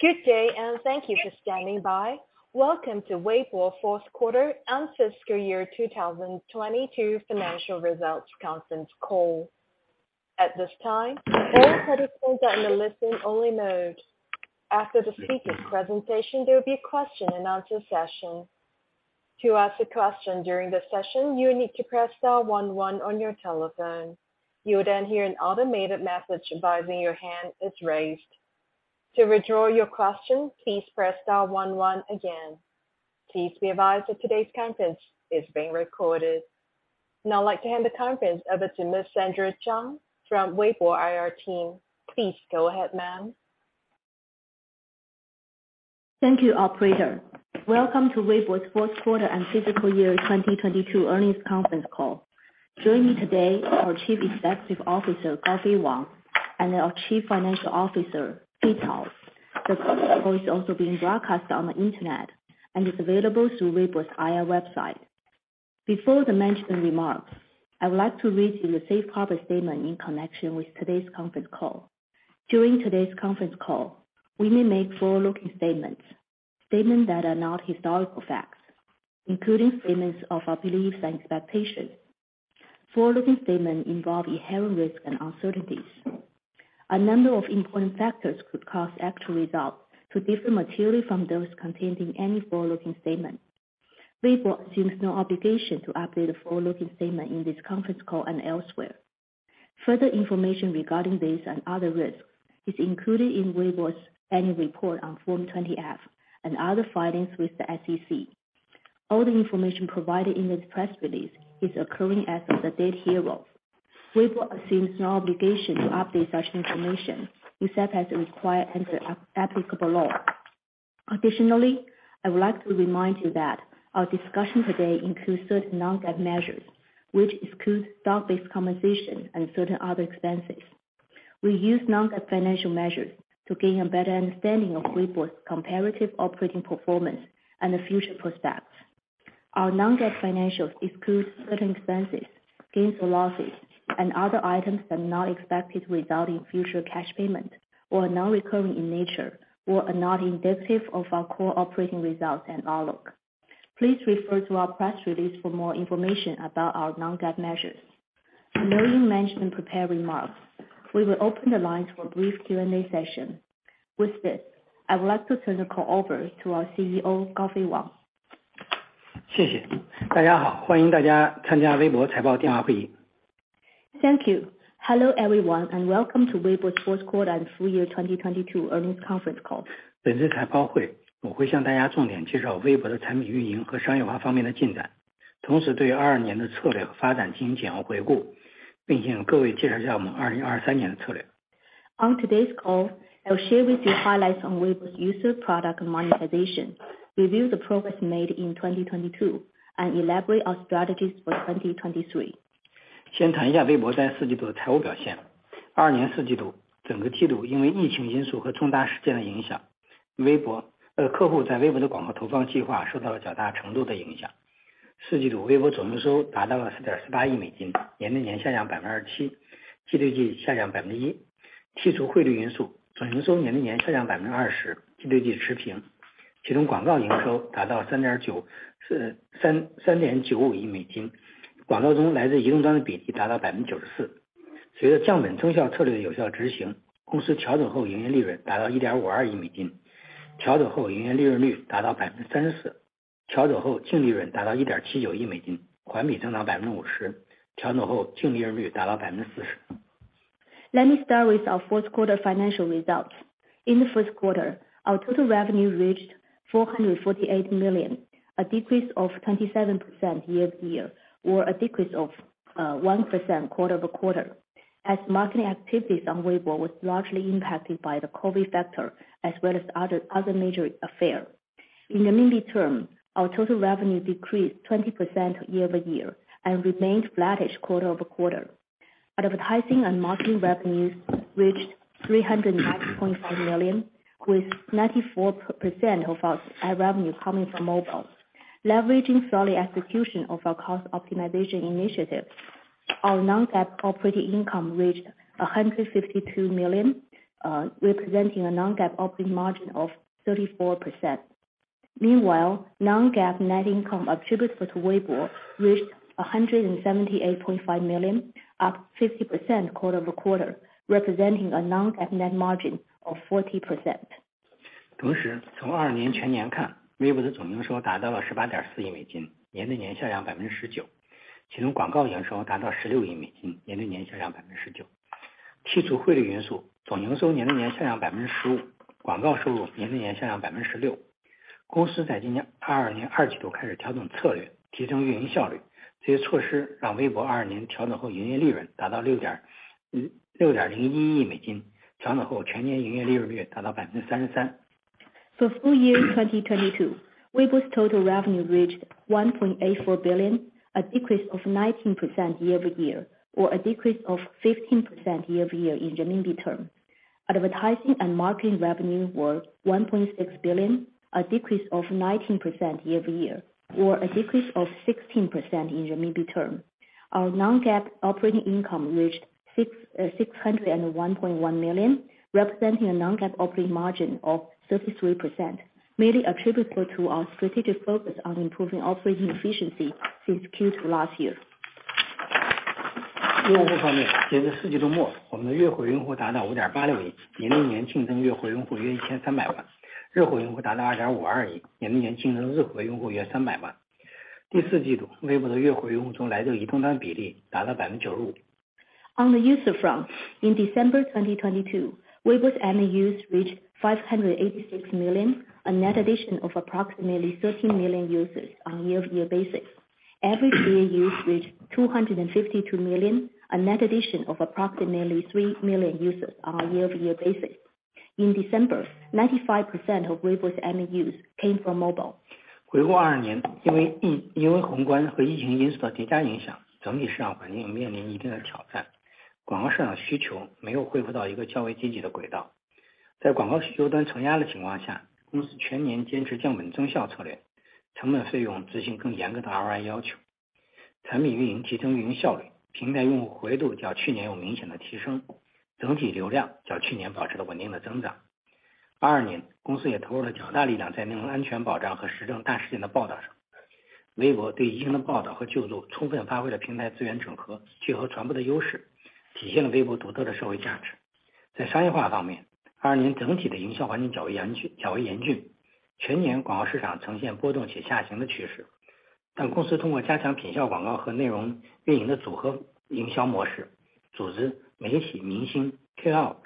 Good day, thank you for standing by. Welcome to Weibo fourth quarter and fiscal year 2022 financial results conference call. At this time, all participants are in a listen only mode. After the speaker presentation, there will be a question and answer session. To ask a question during the session, you need to press star one one on your telephone. You will then hear an automated message advising your hand is raised. To withdraw your question, please press star one one again. Please be advised that today's conference is being recorded. Now I'd like to hand the conference over to Ms. Sandra Zhang from Weibo IR team. Please go ahead, ma'am. Thank you, operator. Welcome to Weibo's fourth quarter and fiscal year 2022 earnings conference call. Joining me today is our Chief Executive Officer, Gaofei Wang, and our Chief Financial Officer, Fei Cao. This call is also being broadcast on the Internet and is available through Weibo's IR website. Before the management remarks, I would like to read you the safe harbor statement in connection with today's conference call. During today's conference call, we may make forward-looking statements that are not historical facts, including statements of our beliefs and expectations. Forward-looking statements involve inherent risks and uncertainties. A number of important factors could cause actual results to differ materially from those contained in any forward-looking statement. Weibo assumes no obligation to update a forward-looking statement in this conference call and elsewhere. Further information regarding this and other risks is included in Weibo's annual report on Form 20-F and other filings with the SEC. All the information provided in this press release is occurring as of the date hereof. Weibo assumes no obligation to update such information, except as required under applicable law. Additionally, I would like to remind you that our discussion today includes certain non-GAAP measures, which excludes stock-based compensation and certain other expenses. We use non-GAAP financial measures to gain a better understanding of Weibo's comparative operating performance and the future prospects. Our non-GAAP financials excludes certain expenses, gains or losses, and other items that are not expected to result in future cash payment or are non-recurring in nature, or are not indicative of our core operating results and outlook. Please refer to our press release for more information about our non-GAAP measures. Now, the management prepared remarks. We will open the line to a brief Q&A session. With this, I would like to turn the call over to our CEO, Gaofei Wang. Thank you. Hello, everyone, and welcome to Weibo fourth quarter and full year 2022 earnings conference call. On today's call, I'll share with you highlights on Weibo's user product and monetization, review the progress made in 2022, and elaborate our strategies for 2023. Let me start with our fourth quarter financial results. In the fourth quarter, our total revenue reached $448 million, a decrease of 27% year-over-year, or a decrease of 1% quarter-over-quarter. Marketing activities on Weibo was largely impacted by the COVID factor as well as other major affair. In the mid-term, our total revenue decreased 20% year-over-year and remained flattish quarter-over-quarter. Advertising and marketing revenues reached $348.5 million, with 94% of our revenue coming from mobile. Leveraging thoroughly execution of our cost optimization initiative, our non-GAAP operating income reached $152 million, representing a non-GAAP operating margin of 34%. Meanwhile, non-GAAP net income attributable to Weibo reached $178.5 million, up 50% quarter-over-quarter, representing a non-GAAP net margin of 40%. For full year 2022, Weibo's total revenue reached $1.84 billion, a decrease of 19% year-over-year or a decrease of 15% year-over-year in renminbi term. Advertising and marketing revenue were $1.6 billion, a decrease of 19% year-over-year, or a decrease of 16% in RMB term. Our non-GAAP operating income reached $601.1 million, representing a non-GAAP operating margin of 33%, mainly attributable to our strategic focus on improving operating efficiency since Q2 last year. 用户方 面， 截至四季度 末， 我们的月活用户达到五点八六 亿， 年内净增月活用户约一千三百 万， 日活用户达到二点五二 亿， 年内净增日活用户约三百万。第四季 度， 微博的月活用户中来自移动端比例达到百分之九十五。On the user front. In December 2022, Weibo's MAUs reached 586 million, a net addition of approximately 13 million users on a year-over-year basis. Average DAU reached 252 million, a net addition of approximately 3 million users on a year-over-year basis. In December, 95% of Weibo's MAUs came from mobile. 回顾二二 年， 因为 疫， 因为宏观和疫情因素的叠加影 响， 整体市场环境面临一定的挑 战， 广告市场需求没有恢复到一个较为积极的轨道。在广告需求端承压的情况 下， 公司全年坚持降本增效策 略， 成本费用执行更严格的 ROI 要 求， 产品运营提升运营效 率， 平台用户活跃度较去年有明显的提 升， 整体流量较去年保持了稳定的增长。二二年公司也投入了较大力量在内容安全保障和时政大事件的报道上。微博对疫情的报道和救 助， 充分发挥了平台资源整合、聚合传播的优 势， 体现了微博独特的社会价值。在商业化方 面， 二二年整体的营销环境较为严 峻， 较为严 峻， 全年广告市场呈现波动且下行的趋 势， 但公司通过加强品效广告和内容运营的组合营销模 式， 组织媒体、明星、KOL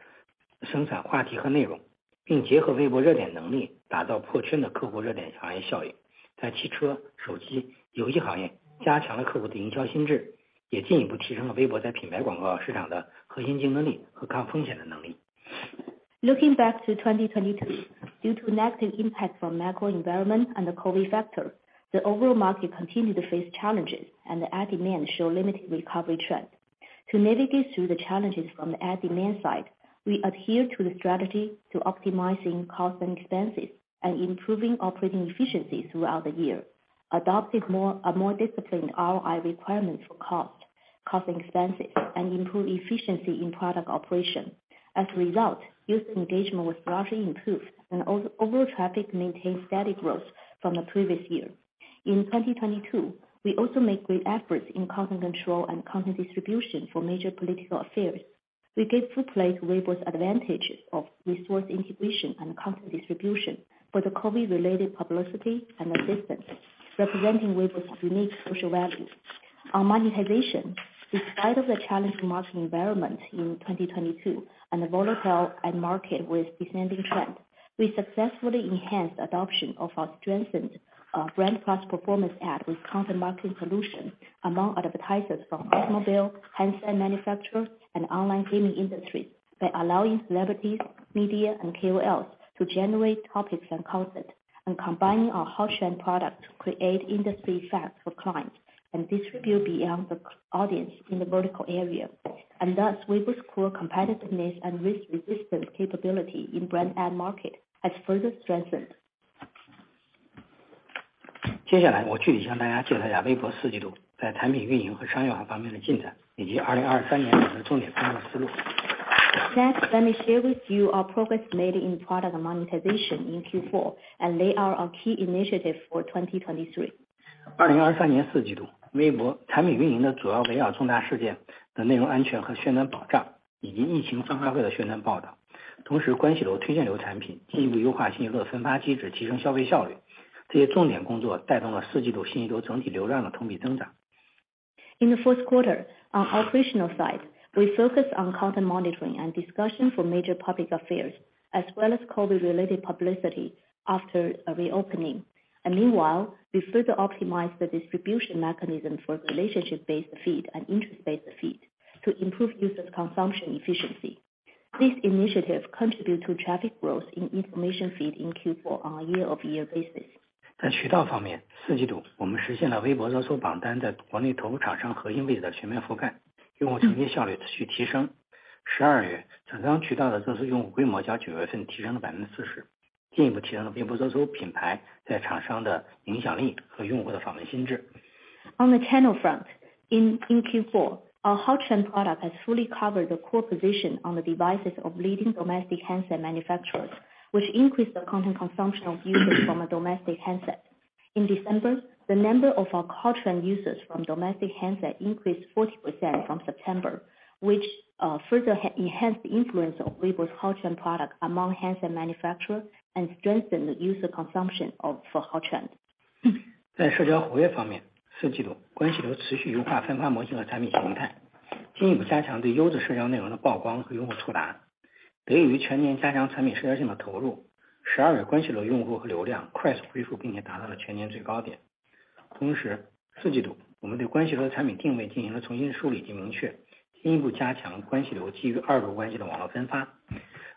生产话题和内 容， 并结合微博热点能力打造破圈的客户热点营销效应。在汽车、手机、游戏行业加强了客户的营销心 智， 也进一步提升了微博在品牌广告市场的核心竞争力和抗风险的能力。Looking back to 2022, due to negative impact from macro environment and the COVID-19 factor, the overall market continued to face challenges and the ad demand showed limited recovery trend. To navigate through the challenges from the ad demand side, we adhere to the strategy to optimizing costs and expenses and improving operating efficiency throughout the year. Adopted a more disciplined ROI requirement for cost and expenses, and improve efficiency in product operation. As a result, user engagement was largely improved and overall traffic maintained steady growth from the previous year. In 2022, we also make great efforts in content control and content distribution for major political affairs. We gave full play to Weibo's advantages of resource integration and content distribution for the COVID-19 related publicity and assistance, representing Weibo's unique social value. On monetization, despite the challenging market environment in 2022 and the volatile ad market with descending trend, we successfully enhanced adoption of our strengthened brand plus performance ad with content marketing solutions among advertisers from automobile, handset manufacturers, and online gaming industries by allowing celebrities, media, and KOLs to generate topics and content, combining our hot trend products to create industry effects for clients and distribute beyond the audience in the vertical area, thus Weibo's core competitiveness and risk resistance capability in brand ad market has further strengthened. 接下来我具体向大家介绍一下微博四季度在产品运营和商业化方面的进 展， 以及2023年我们的重点工作思路。Let me share with you our progress made in product monetization in Q4, and lay out our key initiatives for 2023. 二零二三年四季 度， 微博产品运营的主要围绕重大事件的内容安全和宣传保 障， 以及疫情分发后的宣传报道。同 时， 关系流、推荐流产品进一步优化信息流的分发机 制， 提升消费效率。这些重点工作带动了四季度信息流整体流量的同比增长。In the fourth quarter, on operational side, we focused on content monitoring and discussion for major public affairs as well as COVID-19 related publicity after a reopening. Meanwhile, we further optimized the distribution mechanism for the relationship-based feed and interest-based feed to improve users consumption efficiency. This initiative contribute to traffic growth in information feed in Q4 on a year-over-year basis. 在渠道方 面, Q4 我们实现了 Weibo Hot Search 榜单在国内头部厂商核心机的全面覆 盖, 用户使用效率持续提 升. December, 产品渠道的月活用户规模较 September 份提升了 40%, 进一步提高了 Weibo Hot Search 品牌在厂商的影响力和用户的访问心 智. On the channel front, in Q4, our hot trend product has fully covered the core position on the devices of leading domestic handset manufacturers, which increased the content consumption of users from a domestic handset. In December, the number of our hot trend users from domestic handset increased 40% from September, which further enhanced the influence of Weibo's hot trend product among handset manufacturers and strengthened the user consumption for hot trend. 在社交活跃方 面， 四季度关系流持续优化分发模型和产品形 态， 进一步加强对优质社交内容的曝光和用户触达。得益于全年加强产品社交性的投 入， 十二月关系流用户和流量快速恢复并且达到了全年最高点。同 时， 四季度我们对关系流产品定位进行了重新梳理及明 确， 进一步加强关系流基于二度关系的网路分发。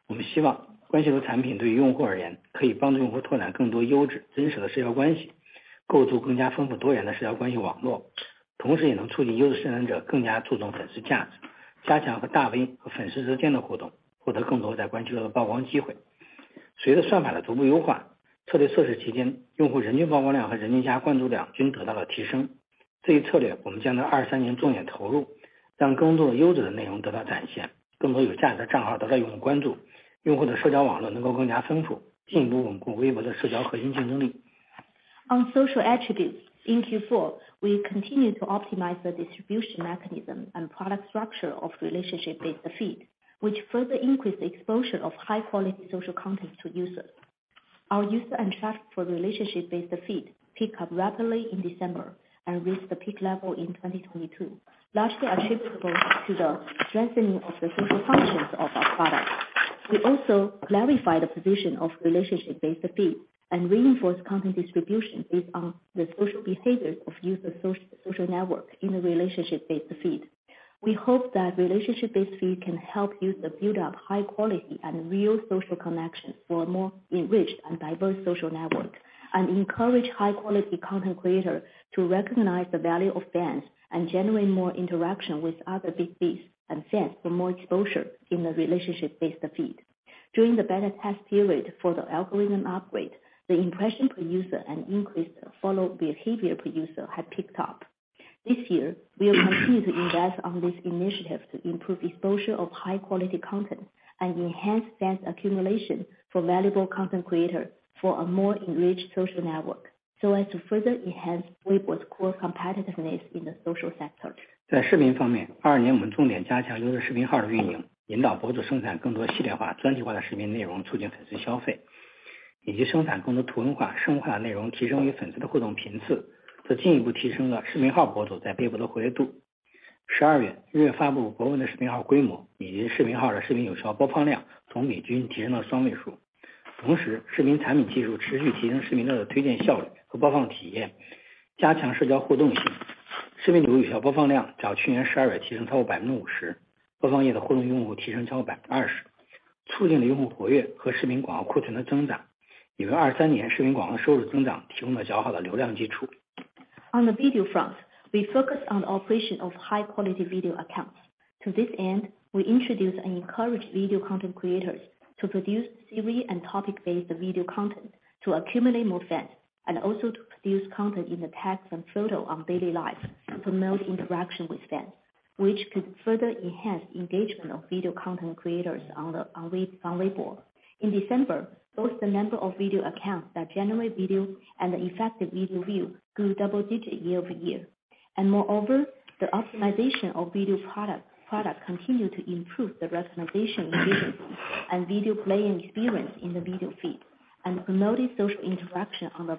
我们希望关系流产品对于用户而 言， 可以帮助用户拓展更多优质、真实的社交关 系， 构筑更加丰富多元的社交关系网 络， 同时也能促进优质生产者更加注重粉丝价 值， 加强和大 V 和粉丝之间的互 动， 获得更多在关系流的曝光机会随着算法的逐步优化策略测试期间用户人均曝光量和人均加关注量均得到了提升这一策略我们将到二三年重点投入让更多优质的内容得到展现更多有价值的账号得到用户关注用户的社交网络能够更加丰富进一步稳固微博的社交核心竞争力 On social attributes. In Q4, we continue to optimize the distribution mechanism and product structure of relationship-based feed, which further increase the exposure of high quality social content to users. Our user and trust for relationship-based feed pick up rapidly in December and reach the peak level in 2022, largely attributable to the strengthening of the social functions of our products. We also clarify the position of relationship-based feed and reinforce content distribution based on the social behaviors of user social network in the relationship-based feed. We hope that relationship-based feed can help users build up high quality and real social connections for more enriched and diverse social network, and encourage high quality content creators to recognize the value of fans and generate more interaction with other Big Vs, and hence for more exposure in the relationship-based feed. During the beta test period for the algorithm upgrade, the impression per user and increased follow behavior per user had picked up. This year, we will continue to invest on this initiative to improve exposure of high quality content and enhance fans accumulation for valuable content creator for a more enriched social network, so as to further enhance Weibo's core competitiveness in the social sector. 在视频方面二二年我们重点加强优质视频号的运营引导博主生产更多系列化专题化的视频内容促进粉丝消费以及生产更多图文化、声画内容提升与粉丝的互动频次再进一步提升了视频号博主在微博的活跃度十二月月发布博文的视频号规模以及视频号的视频有效播放量总比均提升到双位数同时视频产品技术持续提升视频端的推荐效率和播放体验加强社交互动性视频主有效播放量较去年十二月提升超过百分之五十播放页的互动用户提升超过百分之二十促进了用户活跃和视频广告库存的增长也为二三年视频广告收入增长提供了较好的流量基础 On the video front, we focus on the operation of high quality video accounts. To this end, we introduce and encourage video content creators to produce series and topic-based video content to accumulate more fans, and also to produce content in the text and photo on daily life to promote interaction with fans, which could further enhance engagement of video content creators on Weibo. In December, both the number of video accounts that generate video and the effective video view grew double-digit year-over-year. Moreover, the optimization of video product continued to improve the recommendation engagement and video playing experience in the video feed and promoted social interaction on the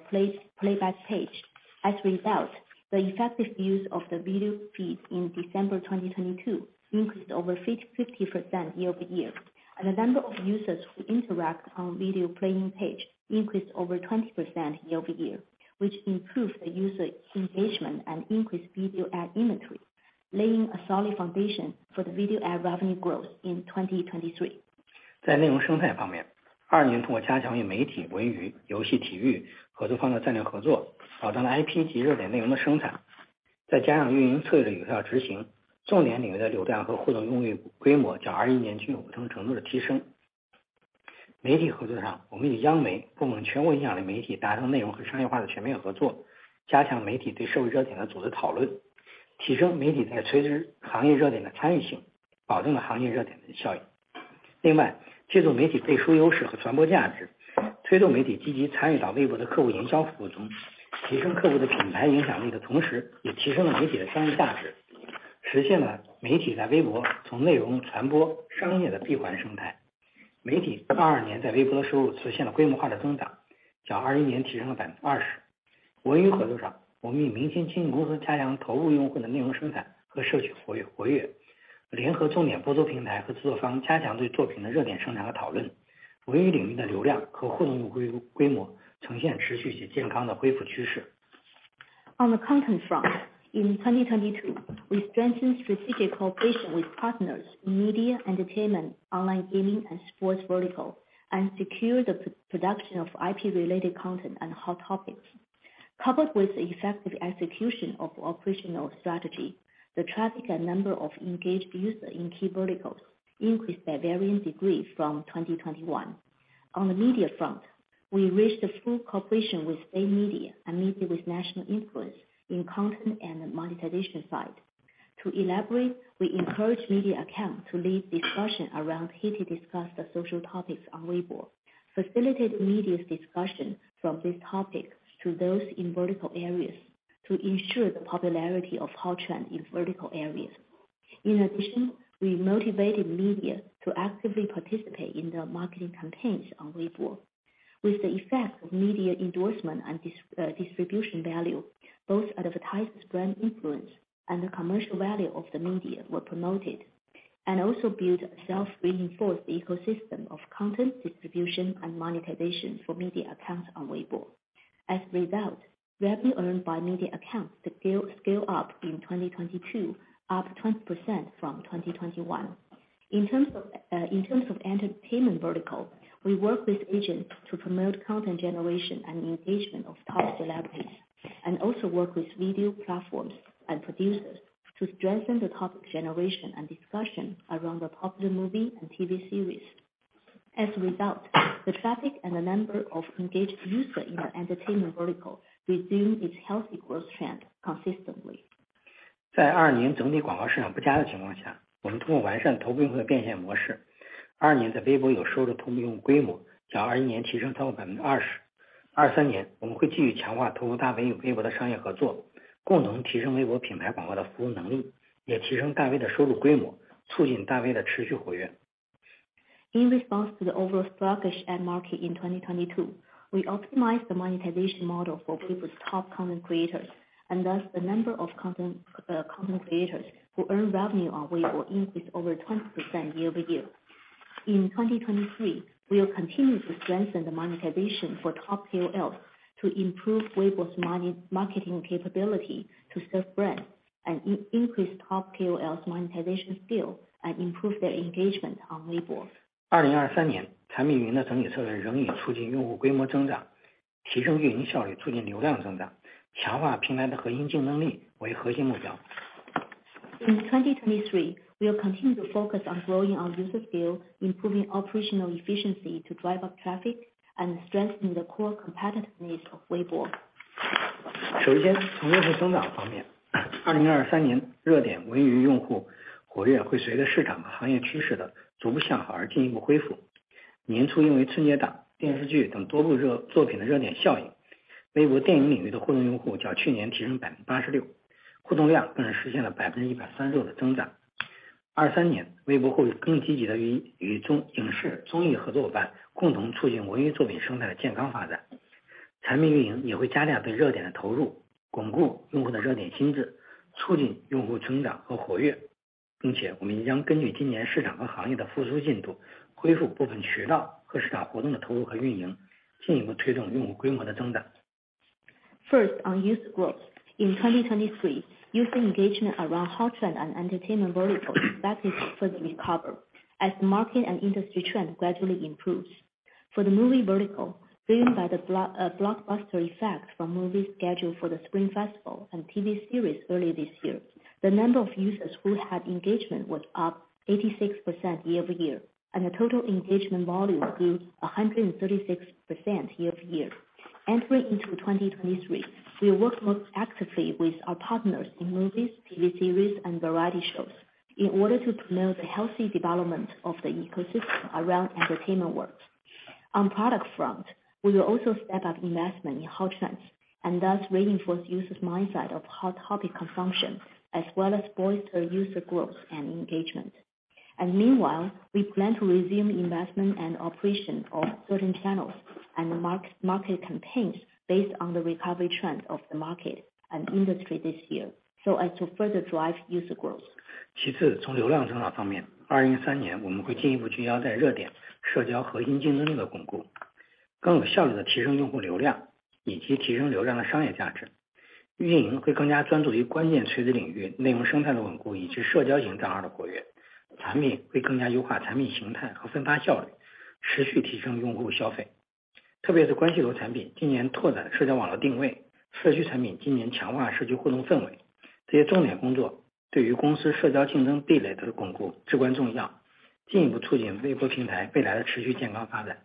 playback page. As a result, the effective views of the video feed in December 2022 increased over 50% year-over-year, and the number of users who interact on video playing page increased over 20% year-over-year, which improved the user engagement and increased video ad inventory, laying a solid foundation for the video ad revenue growth in 2023. 在内容生态方面2022年通过加强与媒体、文娱、游戏、体育合作方的战略合作保证了 IP 及热点内容的生产再加上运营策略的有效执行重点领域的流量和互动用户规模较2021年具有一定程度的提升媒体合作上我们与央媒、拥有全国影响力的媒体达成内容和商业化的全面合作加强媒体对社会热点的组织讨论提升媒体在垂直行业热点的参与性保证了行业热点的效应另外借助媒体背书优势和传播价值推动媒体积极参与到 Weibo 的客户营销服务中提升客户的品牌影响力的同时也提升了媒体的商业价值实现了媒体在 Weibo 从内容传播、商业的闭环生态媒体2022年在 Weibo 的收入实现了规模化的增长较2021年提升了 20% 文娱合作上我们与明星经纪公司加强投入用户的内容生产和社区活跃联合重点播映平台和制作方加强对作品的热点生产和讨论文娱领域的流量和互动用户规模呈现持续且健康的恢复趋势 On the content front, in 2022, we strengthened strategic cooperation with partners in media, entertainment, online gaming and sports vertical, and secured the pre-production of IP related content and hot topics. Coupled with the effective execution of operational strategy, the traffic and number of engaged users in key verticals increased by varying degrees from 2021. On the media front, we reached a full cooperation with state media and media with national influence in content and monetization side. To elaborate, we encourage media accounts to lead discussion around heated discussed social topics on Weibo, facilitate media's discussion from these topics to those in vertical areas to ensure the popularity of hot trend in vertical areas. We motivated media to actively participate in the marketing campaigns on Weibo. With the effect of media endorsement and distribution value, both advertisers' brand influence and the commercial value of the media were promoted and also built a self-reinforced ecosystem of content distribution and monetization for media accounts on Weibo. As a result, revenue earned by media accounts that scale up in 2022, up 20% from 2021. In terms of entertainment vertical, we work with agents to promote content generation and engagement of top celebrities, and also work with video platforms and producers to strengthen the topic generation and discussion around the popular movie and TV series. As a result, the traffic and the number of engaged users in our entertainment vertical resumed its healthy growth trend consistently. 在2022年整体广告市场不佳的情况 下， 我们通过完善投放和变现模 式， 2022年在 Weibo 有收入的投放规 模， 较2021年提升超过 20%。2023年我们会继续强化同 Big V 与 Weibo 的商业合 作， 共同提升 Weibo 品牌广告的服务能 力， 也提升 Big V 的收入规 模， 促进 Big V 的持续活跃。In response to the overall sluggish ad market in 2022, we optimized the monetization model for people's top content creators, and thus the number of content creators who earn revenue on Weibo increased over 20% year-over-year. In 2023, we will continue to strengthen the monetization for top KOLs to improve Weibo's marketing capability to serve brands, and increase top KOLs monetization skill, and improve their engagement on Weibo. 2023 年, 产品运营的整体策略仍以促进用户规模增 长, 提升运营效 率, 促进流量增 长, 强化平台的核心竞争力为核心目 标. In 2023, we will continue to focus on growing our user skill, improving operational efficiency to drive up traffic, and strengthening the core competitiveness of Weibo. 从用户增长方 面， 2023年热点文娱用户活跃会随着市场和行业趋势的逐步向好而进一步恢复。年初因为 Spring Festival 档、电视剧等多部热作品的 hot trend 效 应， Weibo 电影领域的活跃用户较去年提升 86%， 互动量更是实现了 136% 的增长。2023 年， Weibo 会更积极地与影视、综艺合作夥伴共同促进文艺作品生态的健康发展。产品运营也会加大对 hot trend 的投 入， 巩固用户的 hot trend 心 智， 促进用户增长和活跃。我们也将根据今年市场和行业的复苏进 度， 恢复部分渠道和市场活动的投入和运 营， 进一步推动用户规模的增长。First, on user growth. In 2023, user engagement around hot trend and entertainment vertical started to recover as market and industry trend gradually improves. For the movie vertical, driven by the blockbuster effect from movies scheduled for the Spring Festival and TV series early this year, the number of users who had engagement was up 86% year-over-year, and the total engagement volume grew 136% year-over-year. Entering into 2023, we worked more actively with our partners in movies, TV series and variety shows in order to promote the healthy development of the ecosystem around entertainment world. On product front, we will also step up investment in hot trends and thus reinforce users mindset of hot topic consumption as well as bolster user growth and engagement. Meanwhile, we plan to resume investment and operation of certain channels and mark-market campaigns based on the recovery trend of the market and industry this year so as to further drive user growth. 其 次， 从流量增长方 面， 二零二三年我们会进一步聚焦在热点、社交核心竞争力的巩 固， 更有效率地提升用户流 量， 以及提升流量的商业价值。运营会更加专注于关键垂直领域内容生态的稳固以及社交型账号的活跃。产品会更加优化产品形态和分发效 率， 持续提升用户消费。特别是关系流产品今年拓展社交网络定 位， 社区产品今年强化社区互动氛 围， 这些重点工作对于公司社交竞争壁垒的巩固至关重 要， 进一步促进微博平台未来的持续健康发展。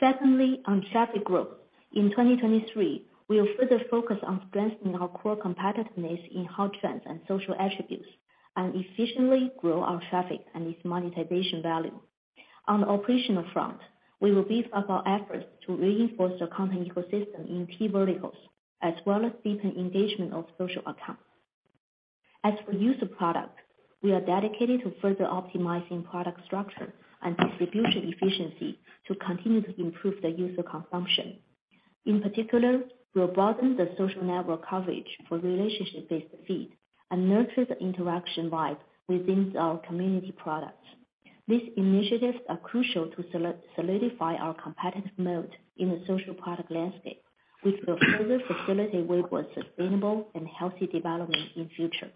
Secondly, on traffic growth. In 2023, we will further focus on strengthening our core competitiveness in hot trends and social attributes and efficiently grow our traffic and its monetization value. On the operational front, we will beef up our efforts to reinforce the content ecosystem in key verticals as well as deepen engagement of social accounts. As for user product, we are dedicated to further optimizing product structure and distribution efficiency to continue to improve the user consumption. In particular, we will broaden the social network coverage for relationship-based feed and nurture the interaction vibe within our community products. These initiatives are crucial to solidify our competitive mode in the social product landscape, which will further facilitate Weibo's sustainable and healthy development in future.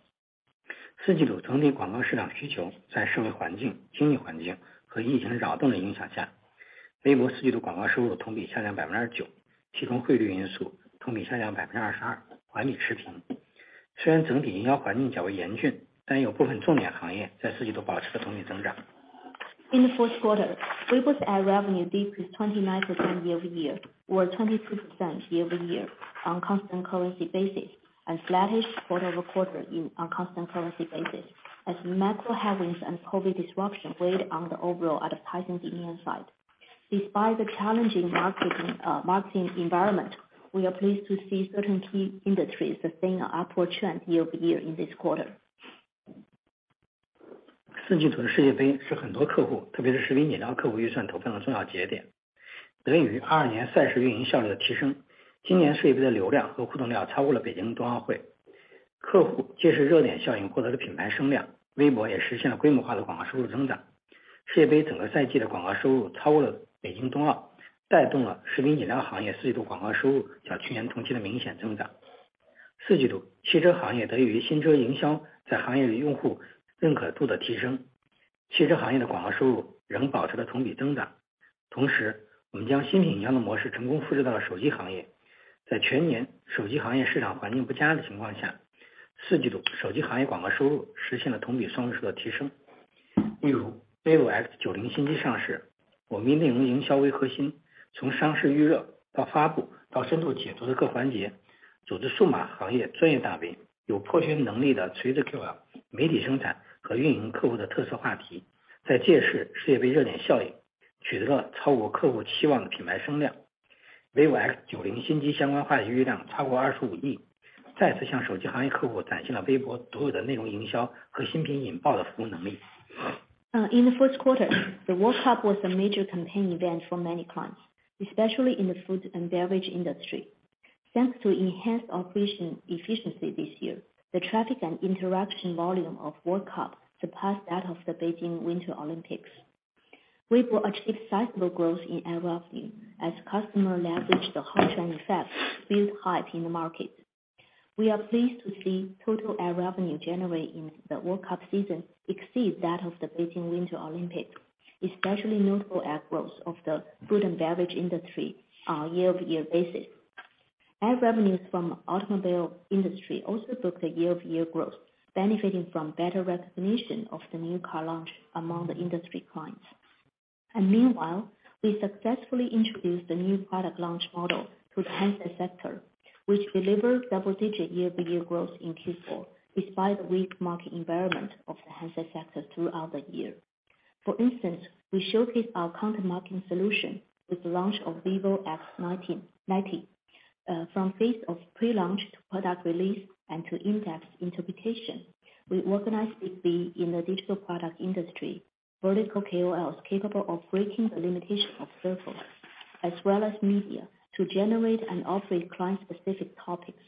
四季度整体广告市场需求在社会环境、经营环境和疫情扰动的影响 下， 微博四季度广告收入同比下降百分之 九， 其中汇率因素同比下降百分之二十 二， 环比持平。虽然整体营销环境较为严 峻， 但有部分重点行业在四季度保持了同比增长。In the fourth quarter, Weibo's ad revenue decreased 29% year-over-year, or 22% year-over-year on a constant currency basis, and flattish quarter-over-quarter in our constant currency basis as macro headwinds and COVID disruption weighed on the overall advertising demand side. Despite the challenging marketing environment, we are pleased to see certain key industries sustain an upward trend year-over-year in this quarter. Q4 的 World Cup 是很多客 户， 特别是视频饮料客户预算投放的重要节点。得益于2022年赛事运营效率的提 升， 今年 World Cup 的流量和互动量超过了 Beijing Winter Olympics。客户借势热点效应获得了品牌声 量， Weibo 也实现了规模化的广告收入增长。World Cup 整个赛季的广告收入超过了 Beijing Winter Olympics， 带动了视频饮料行业 Q4 广告收入较去年同期的明显增长。Q4， 汽车行业得益于新车营销在行业与用户认可度的提 升， 汽车行业的广告收入仍保持了同比增长。同 时， 我们将新品营销的模式成功复制到了手机行业。在全年手机行业市场环境不佳的情况 下， Q4 手机行业广告收入实现了同比 double-digit 的提升。例如 vivo X90 新机上 市， 我们以内容营销为核心，从上市预热到发布到深度解读的各环 节， 组织数码行业专业 Big V 有破圈能力的垂直 KOL， 媒体生产和运营客户的特色话 题， 在借势 World Cup 热点效 应， 取得了超过客户期望的品牌声量。vivo X90 新机相关话题阅读量超过 2.5 billion， 再次向手机行业客户展现了 Weibo 所有的内容营销和新品引爆的服务能力。In the first quarter, the World Cup was a major campaign event for many clients, especially in the food and beverage industry. Thanks to enhanced operation efficiency this year, the traffic and interaction volume of World Cup surpassed that of the Beijing Winter Olympics. We will achieve sizable growth in ad revenue as customer leverage the hot trend effect build hype in the market. We are pleased to see total ad revenue generated in the World Cup season exceed that of the Beijing Winter Olympics. Especially notable ad growth of the food and beverage industry on a year-over-year basis. Ad revenues from automobile industry also booked a year-over-year growth, benefiting from better recognition of the new car launch among the industry clients. Meanwhile, we successfully introduced the new product launch model to the handset sector, which delivered double-digit year-over-year growth in Q4, despite the weak market environment of the handset sector throughout the year. For instance, we showcase our content marketing solution with the launch of vivo X90. From phase of pre-launch to product release and to in-depth interpretation, we organized deeply in the digital product industry, vertical KOLs capable of breaking the limitation of circles, as well as media to generate and operate client-specific topics.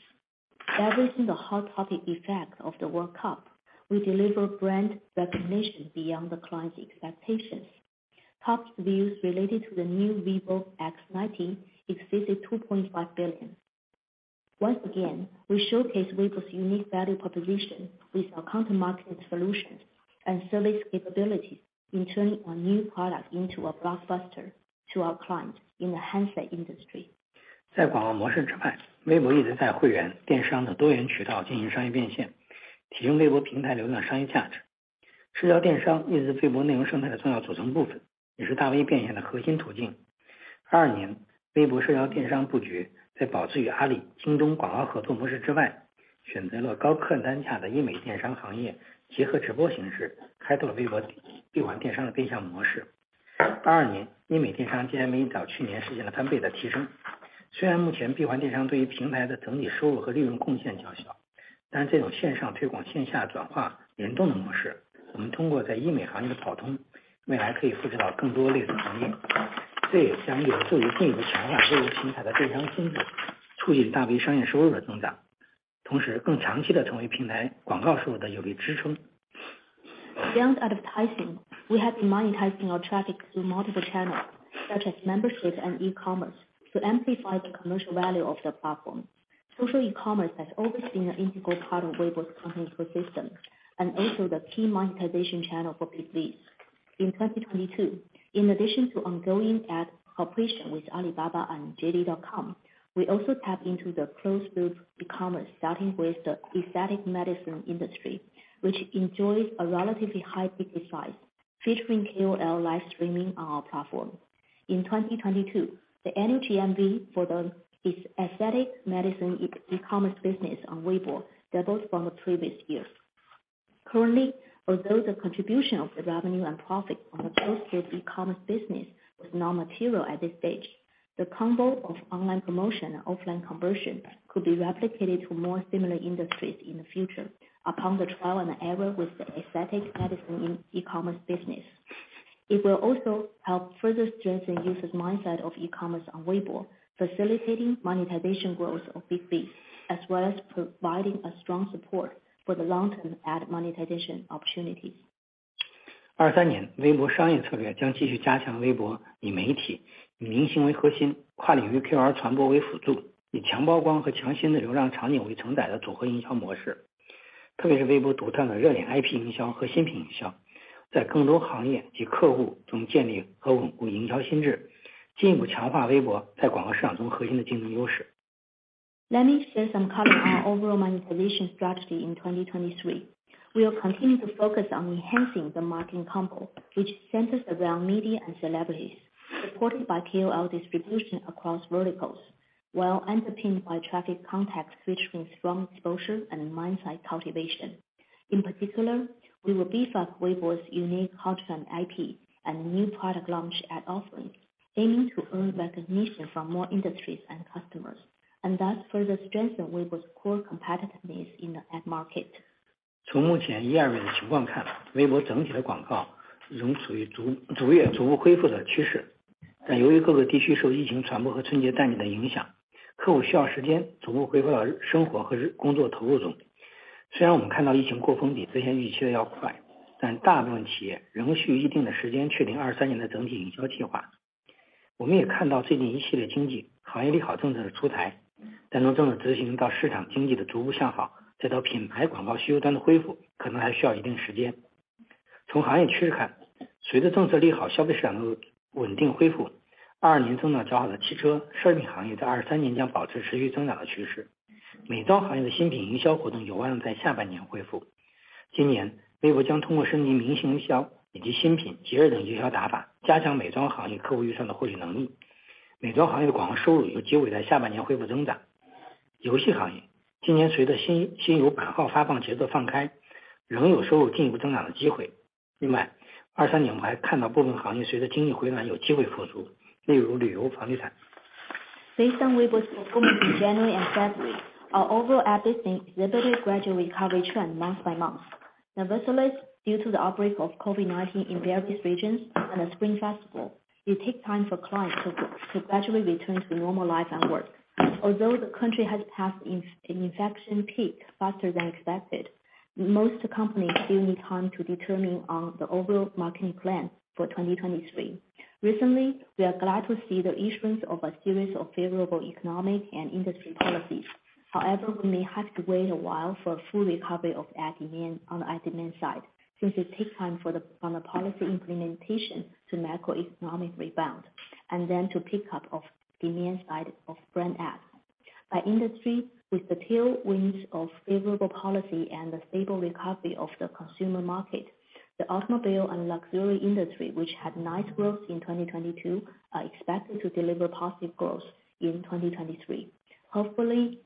Leveraging the hot topic effect of the World Cup, we deliver brand recognition beyond the client's expectations. Top views related to the new vivo X90 exceeded $2.5 billion. Once again, we showcase Weibo's unique value proposition with our content marketing solutions and service capabilities in turning a new product into a blockbuster to our client in the handset industry. 在广告模式之 外， Weibo 一直在会员、电商等多元渠道进行商业变现，提升 Weibo 平台流量商业价值。社交电商一直是 Weibo 内容生态的重要组成部 分， 也是 Big V 变现的核心途径。2022 年 Weibo 社交电商布 局， 在保持与 Alibaba、JD.com 广告合作模式之 外， 选择了高客单价的 aesthetic medicine、电商行 业， 结合直播形 式， 开拓了 Weibo 闭环电商的变现模式。2022年 aesthetic medicine 电商 GMV 较去年实现了翻倍的提升。虽然目前闭环电商对于平台的整体收入和利润贡献较小，这种线上推 广， 线下转化联动的模 式， 我们通过在 aesthetic medicine 行业的跑 通， 未来可以复制到更多类型的行 业， 这也将有助于进一步强化 Weibo 平台的变现能 力， 促进 Big V 商业收入的增 长， 同时更长期地成为平台广告收入的有力支撑。Beyond advertising, we have been monetizing our traffic through multiple channels such as memberships and e-commerce to amplify the commercial value of the platform. Social e-commerce has always been an integral part of Weibo's content ecosystem and also the key monetization channel for Big V. In 2022, in addition to ongoing ad cooperation with Alibaba and JD.com, we also tap into the closed-loop e-commerce, starting with the aesthetic medicine industry, which enjoys a relatively high purchase price featuring KOL live streaming on our platform. In 2022, the annual GMV for the aesthetic medicine e-commerce business on Weibo doubled from the previous year. Currently, although the contribution of the revenue and profit on the closed-loop e-commerce business was non-material at this stage, the combo of online promotion and offline conversion could be replicated to more similar industries in the future. Upon the trial and error with the aesthetic medicine in e-commerce business, it will also help further strengthen users' mindset of e-commerce on Weibo, facilitating monetization growth of Big V, as well as providing a strong support for the long-term ad monetization opportunities. 2023 年， 微博商业策略将继续加强微博以媒体、明星为核 心， 跨领域 KOL 传播为辅 助， 以强曝光和强心的流量场景为承载的组合营销模 式， 特别是微博独创的热点 IP 营销和新品营 销， 在更多行业及客户中建立和稳固营销心 智， 进一步强化微博在广告市场中核心的竞争优 势. Let me share some color on our overall monetization strategy in 2023. We will continue to focus on enhancing the marketing combo, which centers around media and celebrities, supported by KOL distribution across verticals, while underpinned by traffic context, which means strong exposure and mindset cultivation. In particular, we will beef up Weibo's unique hot trend IP and new product launch ad offering, aiming to earn recognition from more industries and customers, and thus further strengthen Weibo's core competitiveness in the ad market. 从目前一二月的情况 看， 微博整体的广告仍处于 逐， 逐步逐步恢复的趋 势， 但由于各个地区受疫情传播和春节淡季的影 响， 客户需要时间逐步恢复到生活和工作投入中。虽然我们看到疫情过峰比之前预期的要 快， 但大部分企业仍需一定的时间确定二三年的整体营销计划。我们也看到最近一系列经济行业利好政策的出 台， 但从政策执行到市场经济的逐步向 好， 再到品牌广告需求端的恢 复， 可能还需要一定时间。从行业趋势 看， 随着政策利 好， 消费市场能稳定恢 复， 二二年增长较好的汽车、奢侈品行业在二三年将保持持续增长的趋势。美妆行业的新品营销活动有望在下半年恢复。今 年， 微博将通过升级明星营销以及新品、节日等营销打 法， 加强美妆行业客户预算的获取能力。美妆行业广告收入有机会在下半年恢复增长。游戏行业今年随着 新， 新游版号发放节奏放 开， 仍有收入进一步增长的机会。另 外， 二三年我们还看到部分行业随着经济回暖有机会复 苏， 例如旅游、房地产。Based on Weibo's performance in January and February, our overall ad business exhibited gradual recovery trend month by month. Due to the outbreak of COVID-19 in various regions and the Spring Festival, it take time for clients to gradually return to normal life and work. The country has passed an infection peak faster than expected, most companies still need time to determine the overall marketing plan for 2023. Recently, we are glad to see the issuance of a series of favorable economic and industry policies. We may have to wait a while for a full recovery of ad demand on our demand side, since it takes time on the policy implementation to macroeconomic rebound, and then to pick up of demand side of brand ad. By industry, with the tail winds of favorable policy and the stable recovery of the consumer market, the automobile and luxury industry, which had nice growth in 2022, are expected to deliver positive growth in 2023. Hopefully,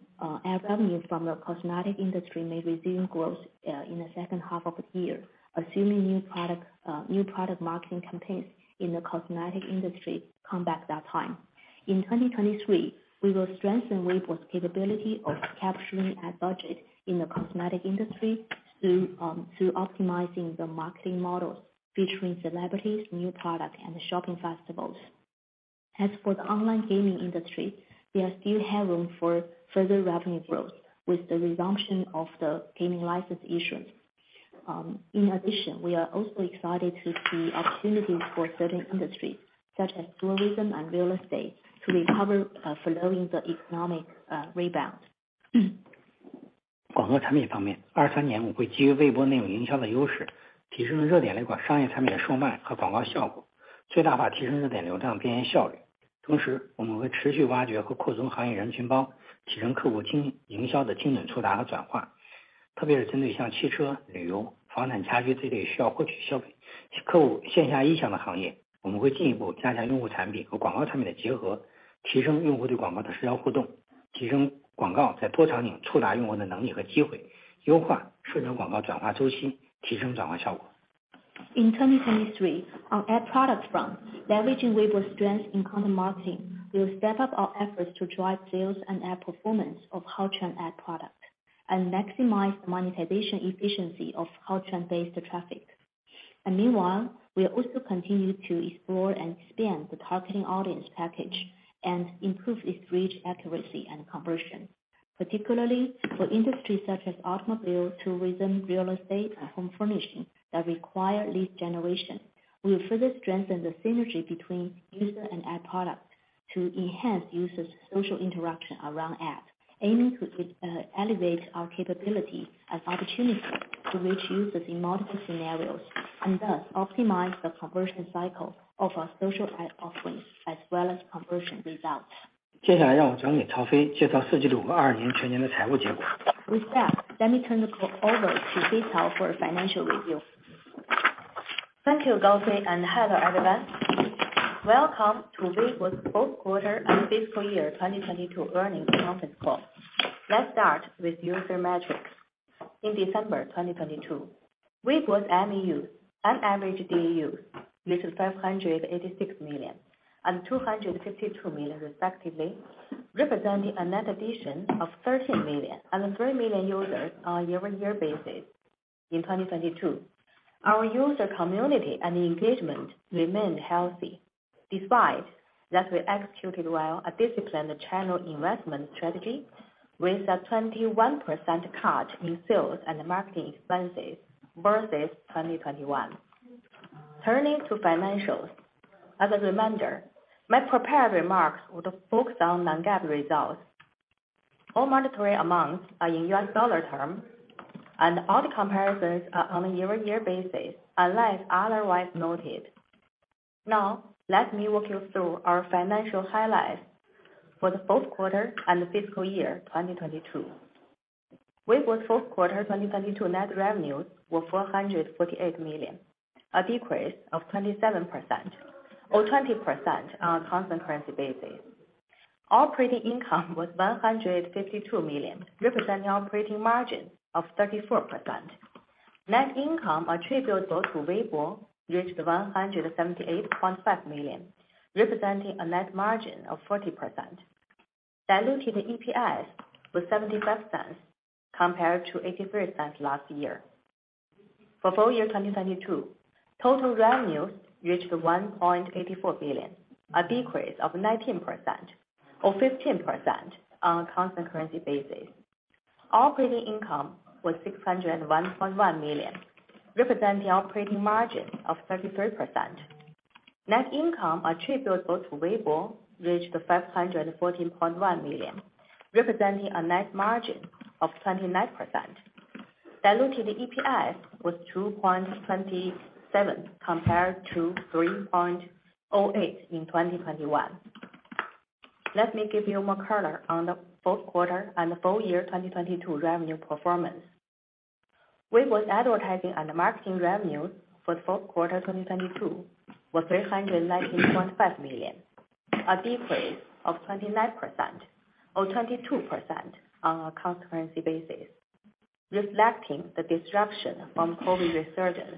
ad revenues from the cosmetic industry may resume growth in the second half of the year, assuming new product marketing campaigns in the cosmetic industry come back that time. In 2023, we will strengthen Weibo's capability of capturing ad budget in the cosmetic industry through optimizing the marketing models featuring celebrities, new product, and shopping festivals. As for the online gaming industry, we are still have room for further revenue growth with the resumption of the gaming license issuance. In addition, we are also excited to see opportunities for certain industries, such as tourism and real estate, to recover, following the economic rebound. 广告产品方 面， 二三年我会基于微博内容营销的优 势， 提升热点类和商业产品的售卖和广告效 果， 最大化提升热点流量变现效率。同 时， 我们会持续挖掘和扩充行业人群 包， 提升客户 精， 营销的精准触达和转化。特别是针对像汽车、旅游、房产、家居这类需要获取消费--客户线下意向的行 业， 我们会进一步加强用户产品和广告产品的结 合， 提升用户对广告的社交互 动， 提升广告在多场景触达用户的能力和机 会， 优化社交广告转化周 期， 提升转化效果。In 2023, on ad products front, leveraging Weibo's strength in content marketing, we'll step up our efforts to drive sales and ad performance of hot trend ad products and maximize the monetization efficiency of hot trend-based traffic. Meanwhile, we are also continue to explore and expand the targeting audience package and improve its reach, accuracy, and conversion. Particularly for industries such as automobile, tourism, real estate, and home furnishing that require lead generation, we will further strengthen the synergy between user and ad products to enhance users' social interaction around app, aiming to elevate our capability as opportunity to reach users in multiple scenarios, and thus optimize the conversion cycle of our social ad offerings as well as conversion results. 接下来让我交给曹 菲， 介绍四季度和2022年全年的财务结果。With that, let me turn the call over to Cao for a financial review. Thank you, Gaofei, and hello, everyone. Welcome to Weibo's fourth quarter and fiscal year 2022 earnings conference call. Let's start with user metrics. In December 2022, Weibo's MAU and average DAU reached 586 million and 252 million respectively, representing a net addition of 13 million and 3 million users on a year-on-year basis. In 2022, our user community and engagement remained healthy, despite that we executed well a disciplined channel investment strategy with a 21% cut in sales and marketing expenses versus 2021. Turning to financials. As a reminder, my prepared remarks would focus on non-GAAP results. All monetary amounts are in U.S. dollar term, and all comparisons are on a year-on-year basis, unless otherwise noted. Now, let me walk you through our financial highlights for the fourth quarter and fiscal year 2022. Weibo's fourth quarter 2022 net revenues were $448 million, a decrease of 27% or 20% on a constant currency basis. Operating income was $152 million, representing operating margin of 34%. Net income attributable to Weibo reached $178.5 million, representing a net margin of 40%. Diluted EPS was $0.75 compared to $0.83 last year. For full year 2022, total revenues reached $1.84 billion, a decrease of 19% or 15% on a constant currency basis. Operating income was $601.1 million, representing operating margin of 33%. Net income attributable to Weibo reached $514.1 million, representing a net margin of 29%. Diluted EPS was $2.27, compared to $3.08 in 2021. Let me give you more color on the fourth quarter and the full year 2022 revenue performance. Weibo's advertising and marketing revenue for the fourth quarter 2022 was $319.5 million. A decrease of 29% or 22% on a constant currency basis, reflecting the disruption from COVID resurgence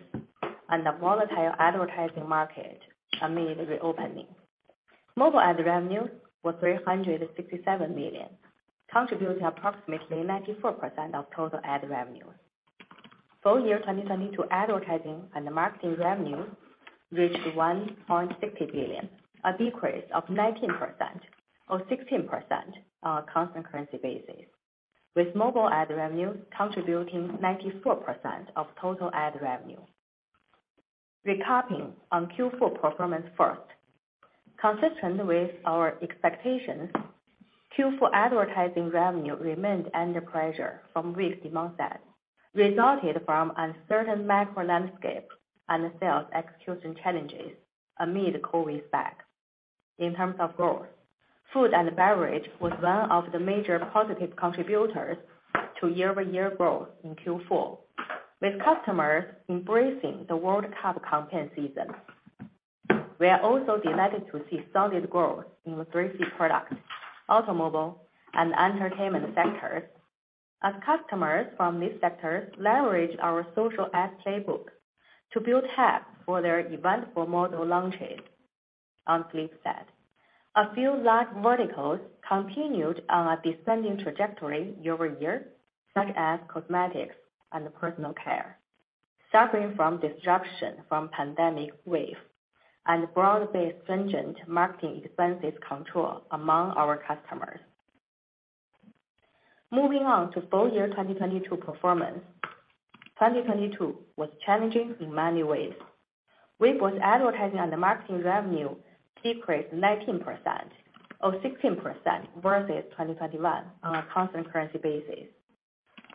and the volatile advertising market amid reopening. Mobile ad revenues was $367 million, contributing approximately 94% of total ad revenues. Full year 2022 advertising and marketing revenue reached $1.60 billion, a decrease of 19% or 16% on a constant currency basis, with mobile ad revenue contributing 94% of total ad revenue. Recapping on Q4 performance first. Consistent with our expectations, Q4 advertising revenue remained under pressure from weak demand set, resulted from uncertain macro landscape and sales execution challenges amid COVID specs. In terms of growth, food and beverage was one of the major positive contributors to year-over-year growth in Q4, with customers embracing the World Cup content season. We are also delighted to see solid growth in the 3C product, automobile and entertainment sectors as customers from these sectors leverage our social ad playbook to build hype for their event for model launches on flip side. A few large verticals continued on a descending trajectory year-over-year, such as cosmetics and personal care, suffering from disruption from pandemic wave and broad-based stringent marketing expenses control among our customers. Moving on to full year 2022 performance. 2022 was challenging in many ways. Weibo's advertising and marketing revenue decreased 19% or 16% versus 2021 on a constant currency basis.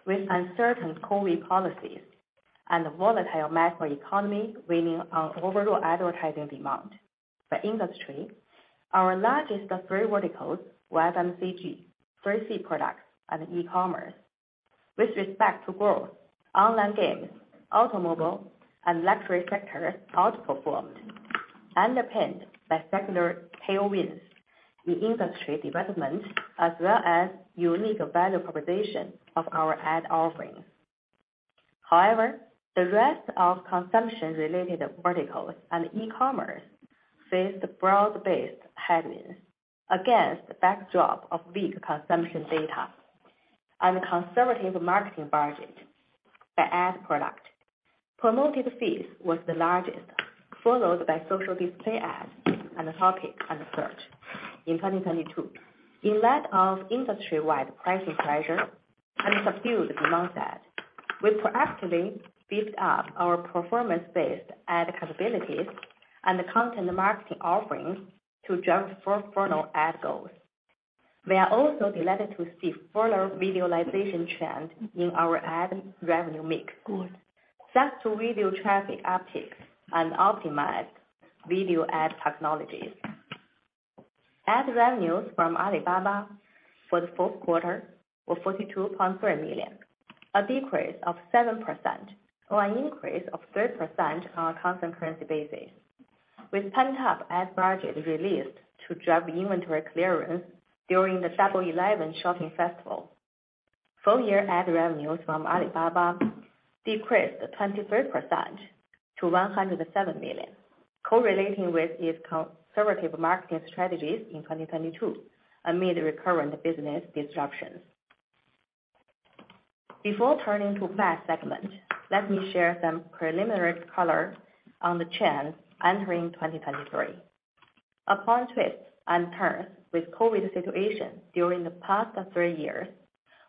With uncertain COVID policies and a volatile macroeconomy weighing on overall advertising demand. The industry, our largest of three verticals were FMCG, 3C products and e-commerce. With respect to growth, online games, automobile and luxury sectors outperformed, underpinned by secular tailwinds in industry development, as well as unique value proposition of our ad offerings. However, the rest of consumption-related verticals and e-commerce faced broad-based headwinds against the backdrop of weak consumption data and conservative marketing budget. The ad product Promoted Feeds was the largest, followed by social display ads and topic and search in 2022. In light of industry-wide pricing pressure and subdued demand set, we proactively beefed up our performance-based ad capabilities and content marketing offerings to drive for further ad goals. We are also delighted to see further visualization trend in our ad revenue mix. Thanks to video traffic optics and optimized video ad technologies. Ad revenues from Alibaba for the fourth quarter were $42.3 million, a decrease of 7% or an increase of 3% on a constant currency basis, with pent-up ad budget released to drive inventory clearance during the Double Eleven shopping festival. Full year ad revenues from Alibaba decreased 23% to $107 million, correlating with its conservative marketing strategies in 2022 amid recurrent business disruptions. Before turning to past segment, let me share some preliminary color on the trends entering 2023. Upon twists and turns with COVID situation during the past three years,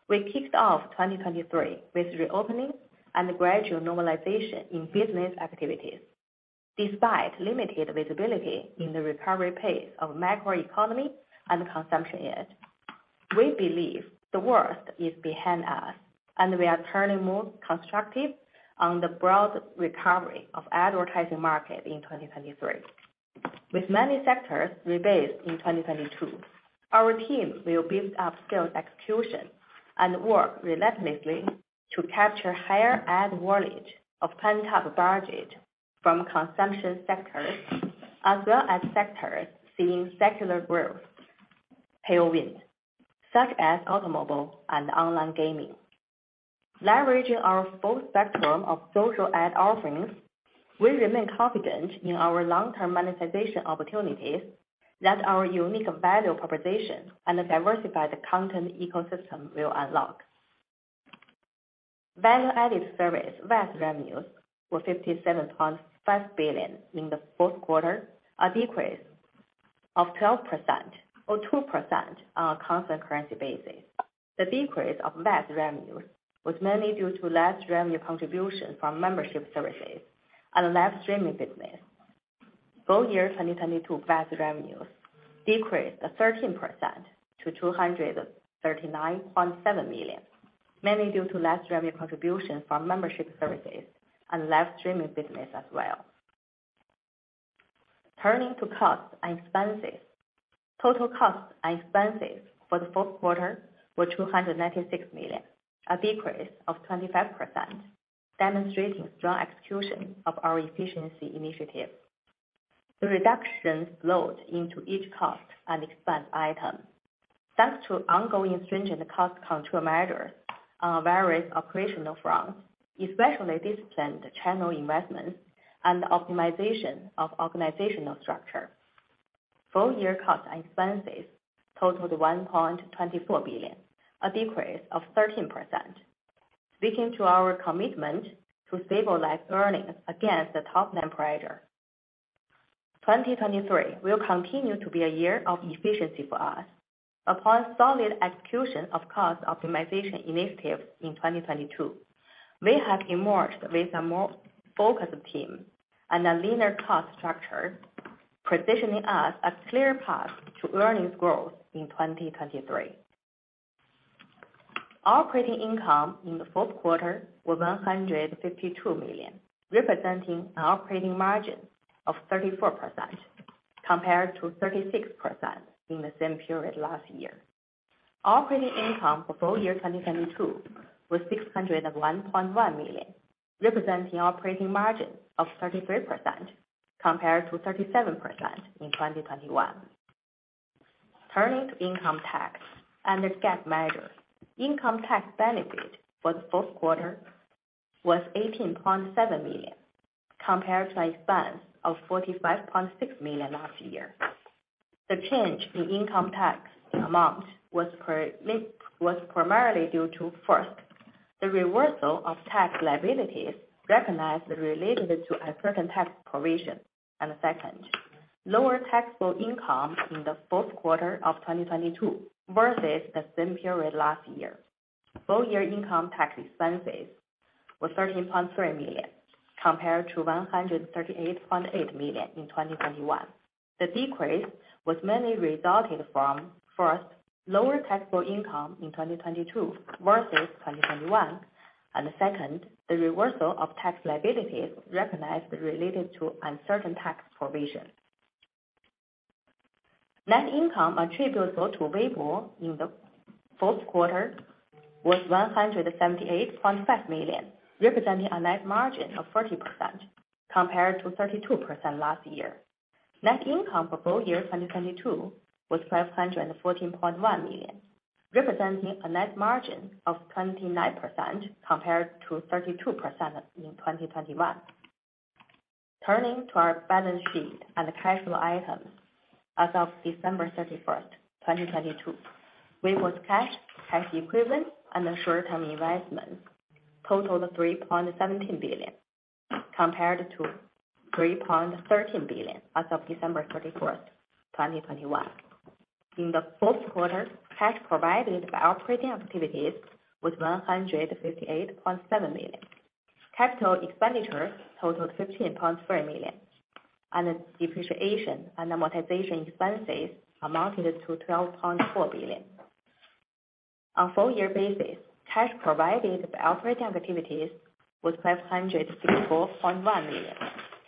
we kicked off 2023 with reopening and gradual normalization in business activities. Despite limited visibility in the recovery pace of macroeconomy and consumption yet, we believe the worst is behind us, and we are turning more constructive on the broad recovery of advertising market in 2023. With many sectors rebased in 2022, our team will beef up sales execution and work relentlessly to capture higher ad wallet of pent-up budget from consumption sectors, as well as sectors seeing secular growth tailwind, such as automobile and online gaming. Leveraging our full spectrum of social ad offerings, we remain confident in our long-term monetization opportunities that our unique value proposition and diversified content ecosystem will unlock. Value-added service, VAS revenues were $57.5 billion in the fourth quarter, a decrease of 12% or 2% on a constant currency basis. The decrease of VAS revenues was mainly due to less revenue contribution from membership services and less streaming business. Full year 2022 VAS revenues decreased 13% to $239.7 million, mainly due to less revenue contribution from membership services and less streaming business as well. Turning to costs and expenses. Total costs and expenses for the fourth quarter were $296 million, a decrease of 25%, demonstrating strong execution of our efficiency initiative. The reduction load into each cost and expense item, thanks to ongoing stringent cost control measures on various operational fronts, especially disciplined channel investments and optimization of organizational structure. Full year costs and expenses totaled $1.24 billion, a decrease of 13%. Speaking to our commitment to stabilize earnings against the top-line pressure. 2023 will continue to be a year of efficiency for us. Upon solid execution of cost optimization initiatives in 2022, we have emerged with a more focused team and a leaner cost structure, positioning us a clear path to earnings growth in 2023. Operating income in the fourth quarter was $152 million, representing an operating margin of 34% compared to 36% in the same period last year. Operating income for full year 2022 was $601.1 million, representing operating margin of 33% compared to 37% in 2021. Turning to income tax. Under GAAP measure, income tax benefit for the fourth quarter was $18.7 million compared to expense of $45.6 million last year. The change in income tax amount was primarily due to, first, the reversal of tax liabilities recognized related to a current tax provision, and second, lower taxable income in the fourth quarter of 2022 versus the same period last year. Full year income tax expenses were $13.3 million, compared to $138.8 million in 2021. The decrease was mainly resulted from, first, lower taxable income in 2022 versus 2021, and second, the reversal of tax liabilities recognized related to uncertain tax provisions. Net income attributable to Weibo in the fourth quarter was $178.5 million, representing a net margin of 30% compared to 32% last year. Net income for full year 2022 was $514.1 million, representing a net margin of 29% compared to 32% in 2021. Turning to our balance sheet and the cash flow items. As of December 31 2022, Weibo's cash equivalent and the short-term investments totaled $3.17 billion compared to $3.13 billion as of December 31 2021. In the fourth quarter, cash provided by operating activities was $158.7 million. Capital expenditure totaled $15.3 million, and depreciation and amortization expenses amounted to $12.4 billion. On full year basis, cash provided by operating activities was $564.1 million.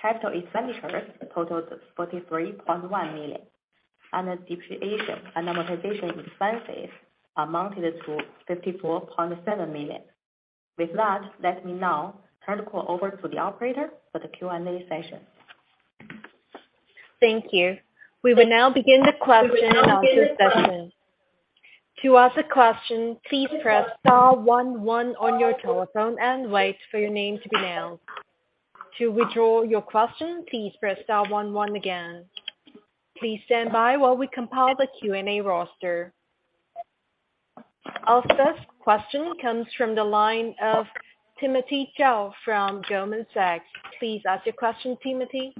Capital expenditures totaled $43.1 million, and depreciation and amortization expenses amounted to $54.7 million. With that, let me now turn the call over to the operator for the Q&A session. Thank you. We will now begin the question and answer session. To ask a question, please press star one one on your telephone and wait for your name to be announced. To withdraw your question, please press star one one again. Please stand by while we compile the Q&A roster. Our first question comes from the line of Timothy Zhao from Goldman Sachs. Please ask your question, Timothy.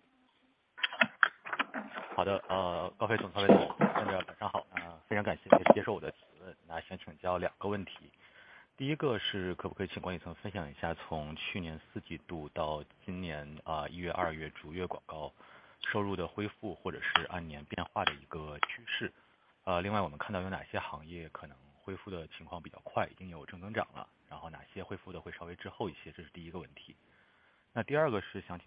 Thank you management for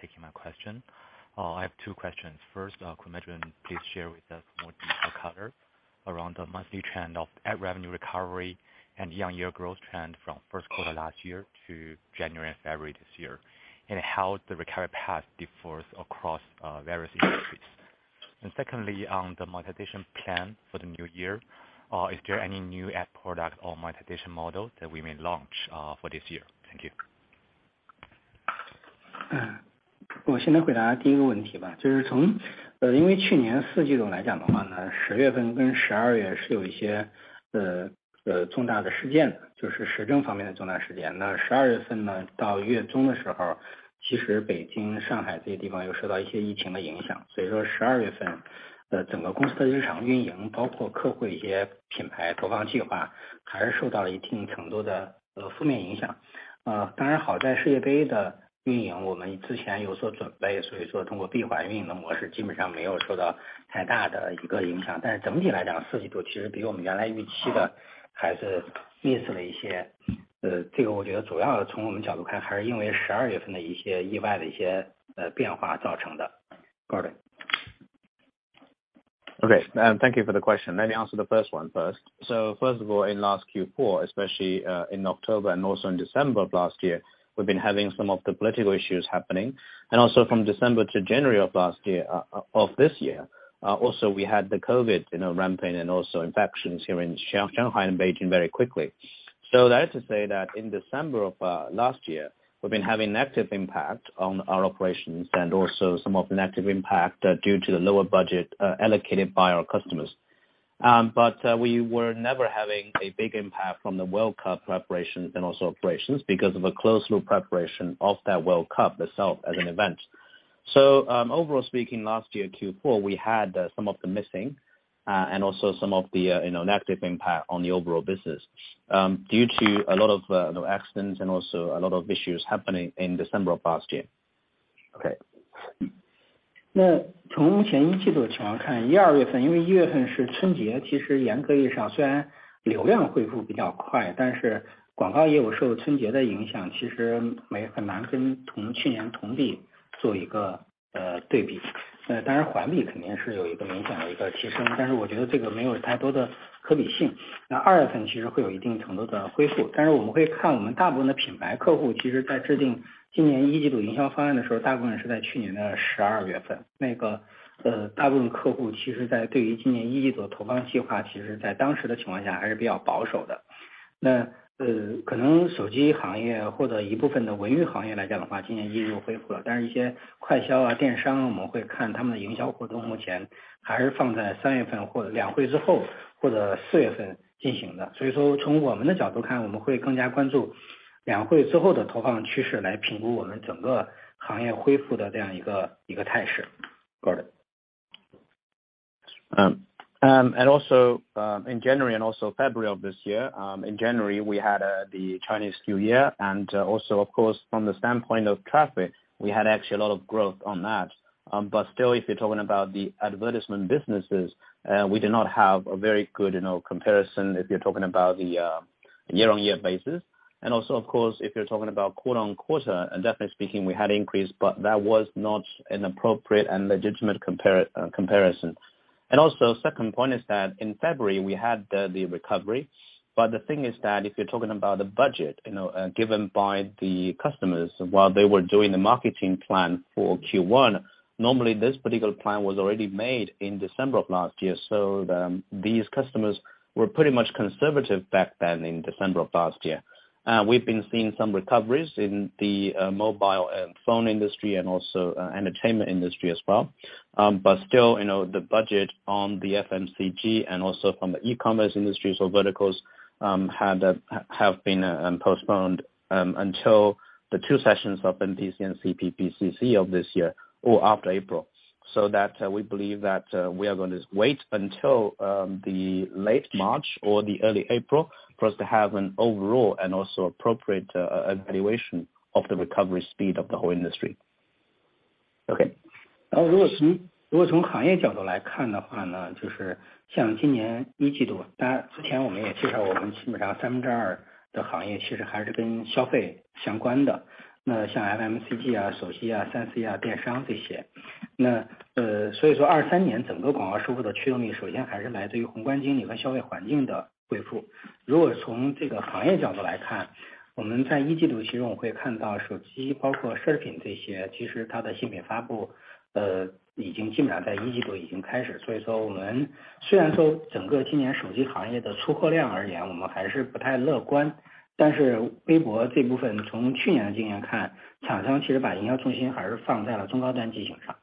taking my question. I have two questions. First, could management please share with us more detail color around the monthly trend of ad revenue recovery and year-over-year growth trend from first quarter last year to January and February this year, and how the recovery path differs across various industries? Secondly, on the monetization plan for the new year, is there any new app product or monetization model that we may launch for this year? Thank you. 我先来回答第一个问题吧。就是从--呃因为去年四季度来讲的话 呢， 十月份跟十二月是有一些 呃， 呃， 重大的事件，就是时政方面的重大事件。那十二月份 呢， 到月中的时 候， 其实北京、上海这些地方有受到一些疫情的影 响， 所以说十二月 份， 呃， 整个公司的日常运 营， 包括客户一些品牌投放计 划， 还是受到了一定程度的 呃， 负面影响。呃当然好在世界杯的运营我们之前有所准 备， 所以说通过闭环运营的模式基本上没有受到太大的一个影响。但是整体来 讲， 四季度其实比我们原来预期的还是意思了一 些， 呃， 这个我觉得主要从我们角度 看， 还是因为十二月份的一些意外的一些 呃， 变化造成的。Got it. Okay. Thank you for the question. Let me answer the first one first. First of all, in last Q4, especially, in October and also in December of last year, we've been having some of the political issues happening. From December to January of this year, also we had the COVID, you know, ramping and also infections here in Shanghai and Beijing very quickly. That to say that in December of last year, we've been having negative impact on our operations and also some of negative impact due to the lower budget allocated by our customers. We were never having a big impact from the World Cup preparation and also operations because of a closed loop preparation of that World Cup itself as an event. Overall speaking, last year, Q4, we had some of the missing, and also some of the, you know, negative impact on the overall business, due to a lot of, you know, accidents and also a lot of issues happening in December of last year. Okay。那从前一季度的情况 看， 一二月 份， 因为一月份是春 节， 其实严格意义上虽然流量恢复比较 快， 但是广告业务受春节的影 响， 其实没--很难跟同去年同比做一个 呃， 对比。那当然环比肯定是有一个明显的一个提 升， 但是我觉得这个没有太多的可比性。那二月份其实会有一定程度的恢 复， 但是我们会看我们大部分的品牌客 户， 其实在制定今年一季度营销方案的时 候， 大部分是在去年的十二月 份， 那个 呃， 大部分客户其实在对于今年一季度投放计 划， 其实在当时的情况下还是比较保守的。那 呃， 可能手机行业或者一部分的文娱行业来讲的 话， 今年一季度恢复 了， 但是一些快消 啊， 电 商， 我们会看他们的营销活动目前还是放在三月份或者两会之 后， 或者四月份进行的。所以说从我们的角度 看， 我们会更加关注两会之后的投放趋 势， 来评估我们整个行业恢复的这样一 个， 一个态势。Got it. In January and also February of this year, in January, we had the Chinese New Year. Of course, from the standpoint of traffic, we had actually a lot of growth on that. Still, if you're talking about the advertisement businesses, we do not have a very good, you know, comparison if you're talking about year-over-year basis. Of course, if you're talking about quarter-over-quarter, definitely speaking, we had increase, but that was not an appropriate and legitimate comparison. Second point is that in February we had the recovery. The thing is that if you're talking about the budget, you know, given by the customers while they were doing the marketing plan for Q1, normally this particular plan was already made in December of last year. These customers were pretty much conservative back then in December of last year. We've been seeing some recoveries in the mobile phone industry and also entertainment industry as well. Still, you know, the budget on the FMCG and also from the e-commerce industries or verticals, had have been postponed until the two sessions of NPC and CPPCC of this year or after April, we believe that we are going to wait until the late March or the early April for us to have an overall and also appropriate evaluation of the recovery speed of the whole industry. Okay。然后如果 从， 如果从行业角度来看的话 呢， 就是像今年一季 度， 大家之前我们也介 绍， 我们基本上三分之二的行业其实还是跟消费相关 的， 那像 FMCG 啊， 手机啊 ，3C 啊， 电商这些。那 呃， 所以说二三年整个广告收入的驱动力首先还是来自于宏观经济和消费环境的恢复。如果从这个行业角度来 看， 我们在一季度其实我们会看到手 机， 包括奢品这 些， 其实它的新品发 布， 呃， 已经基本上在一季度已经开始。所以说我们虽然说整个今年手机行业的出货量而 言， 我们还是不太乐观，但是微博这部分从去年的经验 看， 厂商其实把营销重心还是放在了中高端机型 上，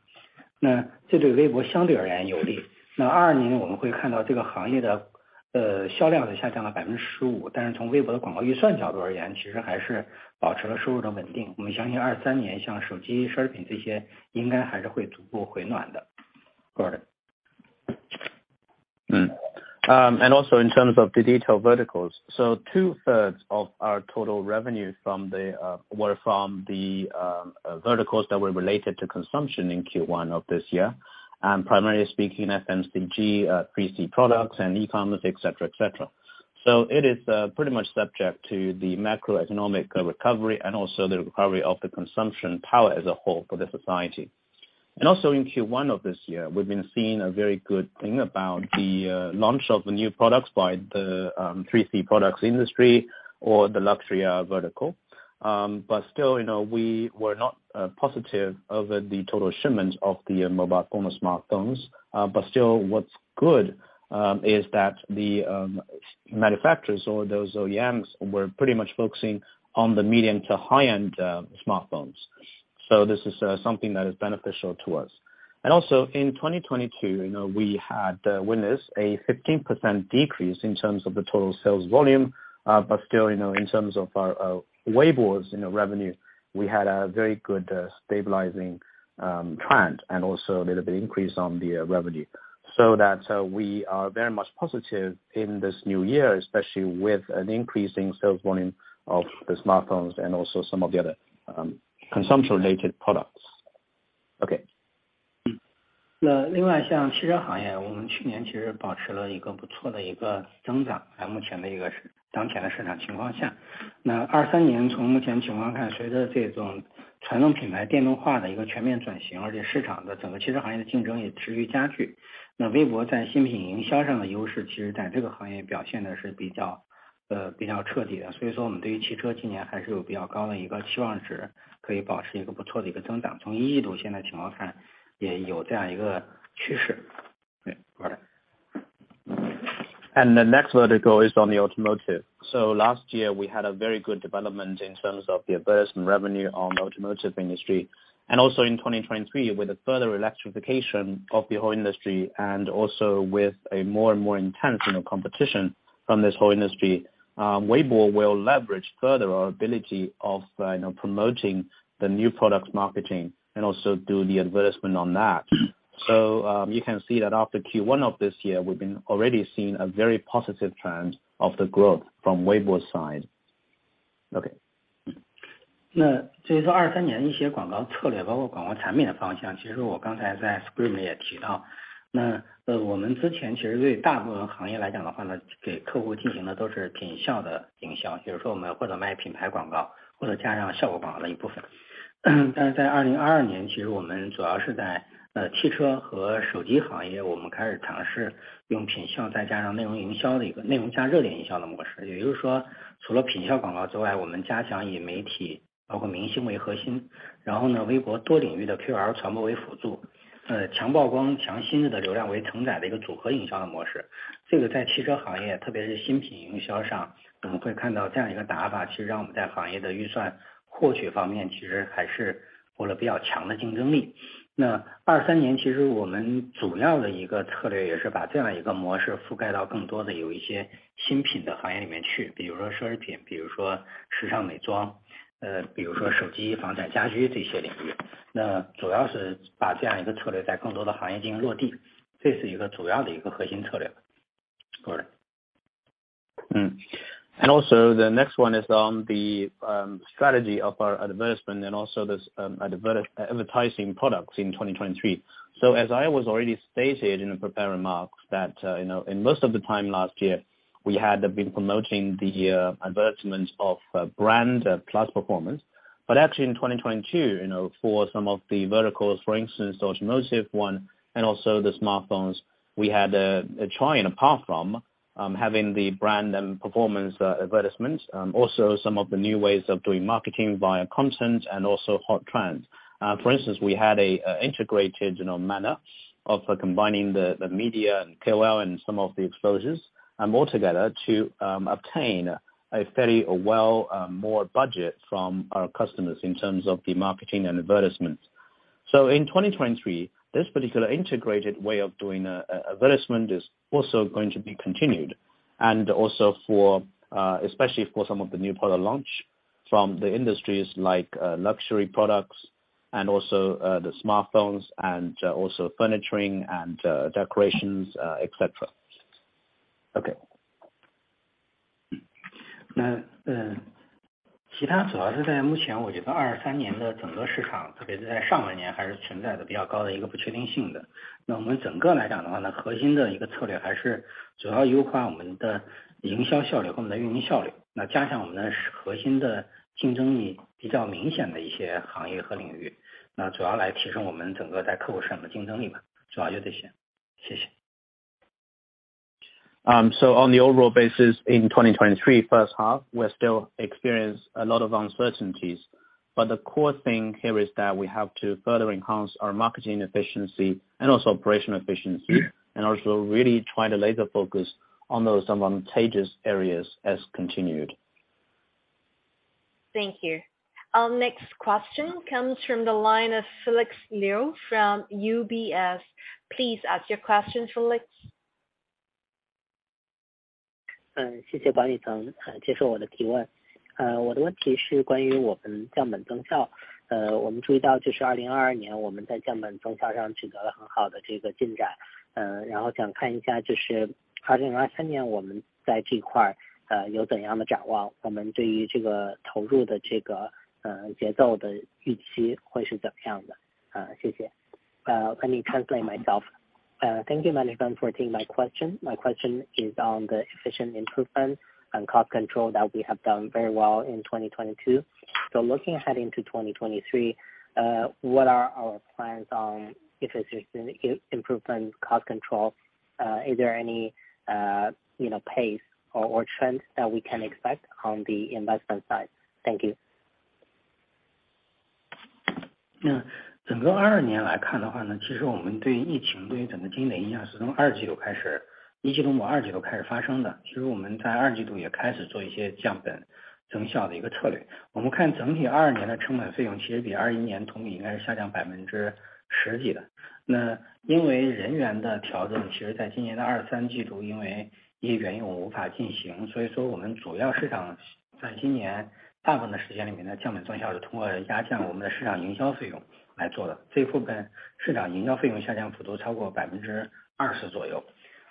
那这对微博相对而言有利。那二年我们会看到这个行业的 呃， 销量下降了百分之十 五， 但是从微博的广告预算角度而 言， 其实还是保持了收入的稳定。我们相信二三年像手机、奢品这些应该还是会逐步回暖的。Got it. Also in terms of the detailed verticals. Two thirds of our total revenue from the were from the verticals that were related to consumption in Q1 of this year, primarily speaking FMCG, 3C products and e-commerce, et cetera, et cetera. It is pretty much subject to the macroeconomic recovery and also the recovery of the consumption power as a whole for the society. Also in Q1 of this year, we've been seeing a very good thing about the launch of the new products by the 3C products industry or the luxury vertical. Still, you know, we were not positive over the total shipments of the mobile owner smartphones. Still, what's good, is that the manufacturers or those OEMs were pretty much focusing on the medium to high-end smartphones. This is something that is beneficial to us. In 2022, you know, we had witnessed a 15% decrease in terms of the total sales volume. Still, you know, in terms of our Weibo's, you know, revenue, we had a very good stabilizing trend and also a little bit increase on the revenue, that we are very much positive in this new year, especially with an increase in sales volume of the smartphones and also some of the other consumption related products. 另外像汽车行 业, 我们去年其实保持了一个不错的一个增 长, 在目前的一个当前的市场情况 下. 2023年从目前情况 看, 随着这种传统品牌电动化的一个全面转 型, 而且市场的整个汽车行业的竞争也持续加 剧, Weibo 在新品营销上的优势其实在这个行业表现的是比 较, 比较彻底 的, 所以说我们对于汽车今年还是有比较高的一个期望 值, 可以保持一个不错的一个增 长. 从 Q1 现在情况 看, 也有这样一个趋 势. The next vertical is on the automotive. Last year we had a very good development in terms of the advertisement revenue on automotive industry. Also in 2023, with a further electrification of the whole industry and also with a more and more intense, you know, competition from this whole industry, Weibo will leverage further our ability of, you know, promoting the new product marketing and also do the advertisement on that. You can see that after Q1 of this year, we've been already seeing a very positive trend of the growth from Weibo side. Okay. 至于说 2023年一些广告 策略，包括 广告产品的 方向，其实 我刚才在 script 中也提到。我们之前其实对大部分行业来讲的话 呢，给 客户进行的都是品效的 营销，比如说 我们或者卖品牌 广告，或者 加上效果广告的一部分。但是在2022 年，其实 我们主要是在汽车和手机 行业，我们 开始尝试用 品效，再 加上内容营销的一个内容加热点营销的模式。也就是说除了品效广告 之外，我们 加强以媒体包括明星为 核心，然后 呢，Weibo 多领域的 KOL 传播为 辅助，强 曝光、强心智的流量为承载的一个组合营销的模式。这个在汽车 行业，特别是 新品营销 上，我们 会看到这样一个 打法，其实 让我们在行业的预算获取方面其实还是获得比较强的竞争 力。2023 年其实我们主要的一个策略也是把这样一个模式覆盖到更多的有一些新品的行业里面 去，比如说 奢侈品，比如说 时尚 美妆，比如说 手机、家电、家居这些领域。主要是把这样一个策略在更多的行业进行 落地，这是 一个主要的一个核心策略。The next one is on the strategy of our advertisement and also this advertising products in 2023. As I was already stated in the prepared remarks that, you know, in most of the time last year, we had been promoting the advertisement of brand plus performance. Actually in 2022, you know, for some of the verticals, for instance, the automotive one and also the smartphones, we had a try and apart from having the brand and performance advertisements, also some of the new ways of doing marketing via content and also Hot Trends. For instance, we had a integrated, you know, manner of combining the media and KOL and some of the exposures all together to obtain a fairly well more budget from our customers in terms of the marketing and advertisements. In 2023, this particular integrated way of doing advertisement is also going to be continued. For especially for some of the new product launch from the industries like luxury products and also the smartphones and also furnituring and decorations, et cetera. Okay. 其他主要是在目前我觉得2023年的整个市 场， 特别是在上半年还是存在的比较高的一个不确定性的。我们整个来讲的话 呢， 核心的一个策略还是主要优化我们的营销效率和我们的运营效 率， 加上我们的核心的竞争力比较明显的一些行业和领 域， 主要来提升我们整个在客户身上的竞争力吧。主要就这些。谢谢。On the overall basis, in 2023 first half, we're still experience a lot of uncertainties. The core thing here is that we have to further enhance our marketing efficiency and also operational efficiency, and also really try to laser focus on those advantageous areas as continued. Thank you. Our next question comes from the line of Felix Liu from UBS. Please ask your question, Felix. 嗯， 谢谢王尼 曾， 呃， 接受我的提问。呃， 我的问题是关于我们降本增效。呃， 我们注意到就是二零二二年我们在降本增效上取得了很好的这个进 展， 呃， 然后想看一 下， 就是二零二三年我们在这 块， 呃， 有怎样的展 望， 我们对于这个投入的这 个， 呃， 节奏的预期会是怎样 的？ 嗯， 谢谢。Uh, let me translate myself. Uh, thank you management for taking my question. My question is on the efficient improvement and cost control that we have done very well in 2022. Looking ahead into 2023, what are our plans on efficiency improvement, cost control? Is there any, you know, pace or trends that we can expect on the investment side? Thank you. 整个2022年来看的话 呢， 其实我们对疫情对整个经营的影响是从 Q2 开 始， Q1末 Q2 开始发生的。其实我们在 Q2 也开始做一些降本增效的一个策略。我们看整体2022年的成本费用其实比2021年同比应该是下降 10%+ 的。那因为人员的调 整， 其实在今年的 Q2、Q3 因为一些原因无法进 行， 所以说我们主要市场在今年大部分的时间里面 呢， 降本增效是通过压降我们的市场营销费用来做的。这一部分市场营销费用下降幅度超过 20% 左右。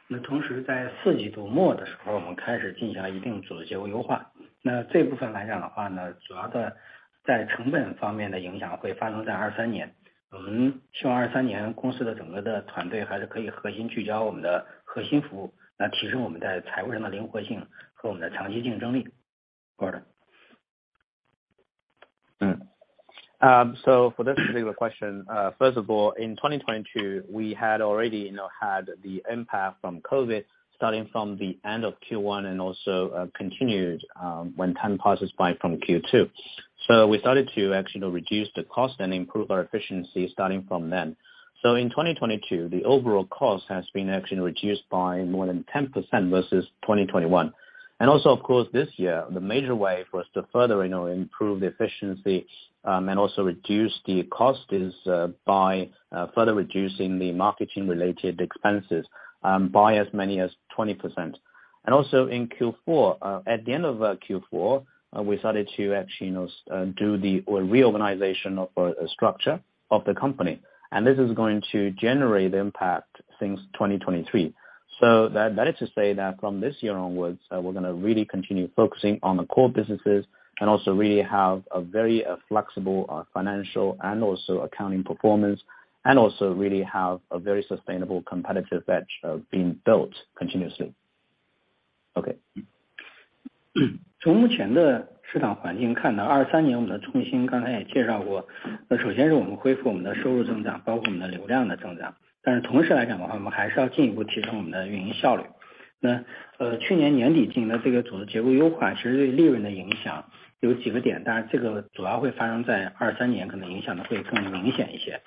那同时在 Q4末 的时 候， 我们开始进行了一定组织结构优化。那这部分来讲的话 呢， 主要的在成本方面的影响会发生在2023 年。我们希望2023年公司的整个的团队还是可以核心聚焦我们的核心服 务， 来提升我们的财务人的灵活性和我们的长期竞争力。Got it. For this particular question, first of all, in 2022, we had already, you know, had the impact from COVID starting from the end of Q1 and also continued when time passes by from Q2. We started to actually reduce the cost and improve our efficiency starting from then. In 2022, the overall cost has been actually reduced by more than 10% versus 2021. Of course this year, the major way for us to further, you know, improve the efficiency and also reduce the cost is by further reducing the marketing related expenses by as many as 20%. In Q4, at the end of Q4, we started to actually, you know, do the reorganization of structure of the company. This is going to generate impact since 2023. That is to say that from this year onwards, we're gonna really continue focusing on the core businesses and also really have a very flexible financial and also accounting performance, and also really have a very sustainable competitive edge, being built continuously. Okay. 从目前的市场环境 看， 2023年我们的重心刚才也介绍 过， 首先是我们恢复我们的收入增 长， 包括我们的流量的增长。同时来讲的 话， 我们还是要进一步提升我们的运营效率。去年年底进行的这个组织结构优 化， 其实对利润的影响有几个 点， 当然这个主要会发生在2023 年， 可能影响得会更明显一些。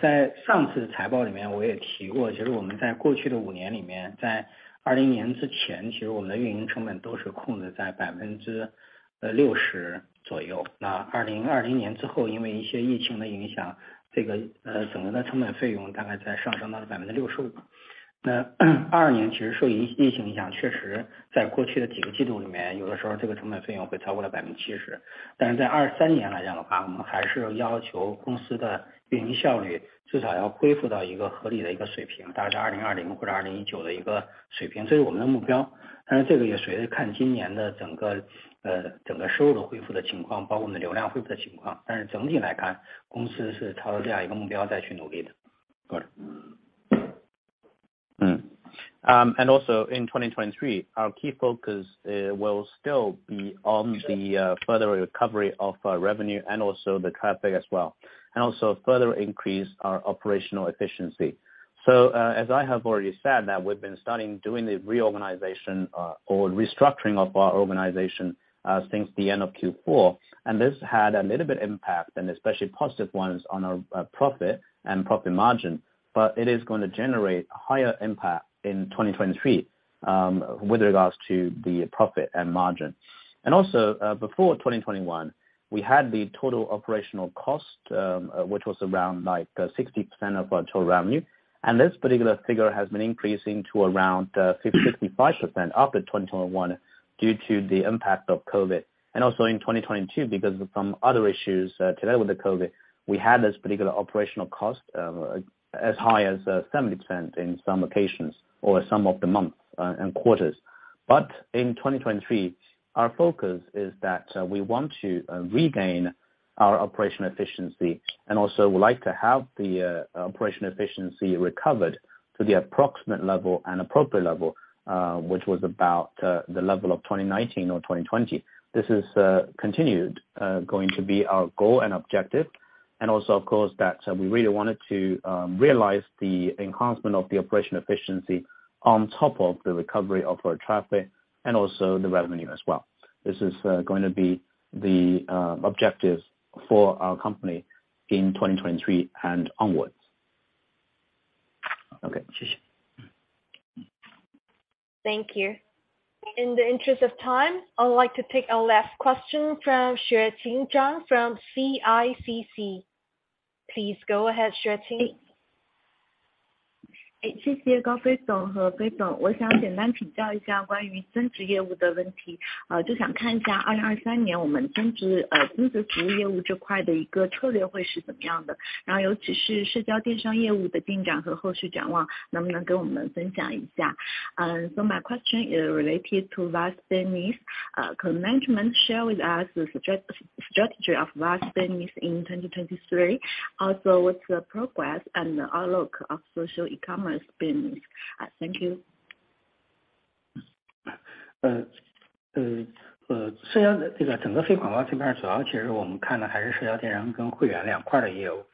在上次的财报里面我也提 过， 其实我们在过去的5年里 面， 在2020年之 前， 其实我们的运营成本都是控制在 60% 左右。2020年之 后， 因为一些疫情的影响，这个整个的成本费用大概在上升到了 65%。2022年其实受疫情影 响， 确实在过去的几个季度里 面， 有的时候这个成本费用会超过了 70%。在2023年来讲的 话， 我们还是要求公司的运营效率至少要恢复到一个合理的一个水 平， 大概是2020或者2019的一个水 平， 这是我们的目标。这个也随着看今年的整个收入的恢复的情 况， 包括我们的流量恢复的情况。整体来 看， 公司是朝着这样一个目标在去努力的。Got it. In 2023, our key focus will still be on the further recovery of our revenue and also the traffic as well, and also further increase our operational efficiency. As I have already said that we've been starting doing the reorganization or restructuring of our organization since the end of Q4, and this had a little bit impact and especially positive ones on our profit and profit margin, but it is going to generate higher impact in 2023 with regards to the profit and margin. Before 2021, we had the total operational cost which was around like 60% of our total revenue. This particular figure has been increasing to around 65% after 2021 due to the impact of COVID. Also in 2022, because of some other issues, together with the COVID, we had this particular operational cost, as high as 70% in some locations or some of the month, and quarters. In 2023, our focus is that, we want to regain our operational efficiency and also would like to have the operational efficiency recovered to the approximate level and appropriate level, which was about the level of 2019 or 2020. This is continued going to be our goal and objective. Also of course that, we really wanted to realize the enhancement of the operational efficiency on top of the recovery of our traffic and also the revenue as well. This is going to be the objectives for our company in 2023 and onwards. Okay. 谢 谢. Thank you. In the interest of time, I would like to take our last question from Xueqing Zhang from CICC. Please go ahead, Xueqing. 谢谢高飞总和飞 总， 我想简单请教一下关于增值业务的问 题， 就想看一下2023年我们增值服务业务这块的一个策略会是怎么样 的， 然后尤其是社交电商业务的进展和后续展 望， 能不能跟我们分享一下。My question is related to last business. Could management share with us the strategy of last business in 2023? Also with the progress and outlook of social e-commerce business. Thank you. 虽然这个整个非广告这边主要其实我们看的还是社交电商跟会员2块的业务。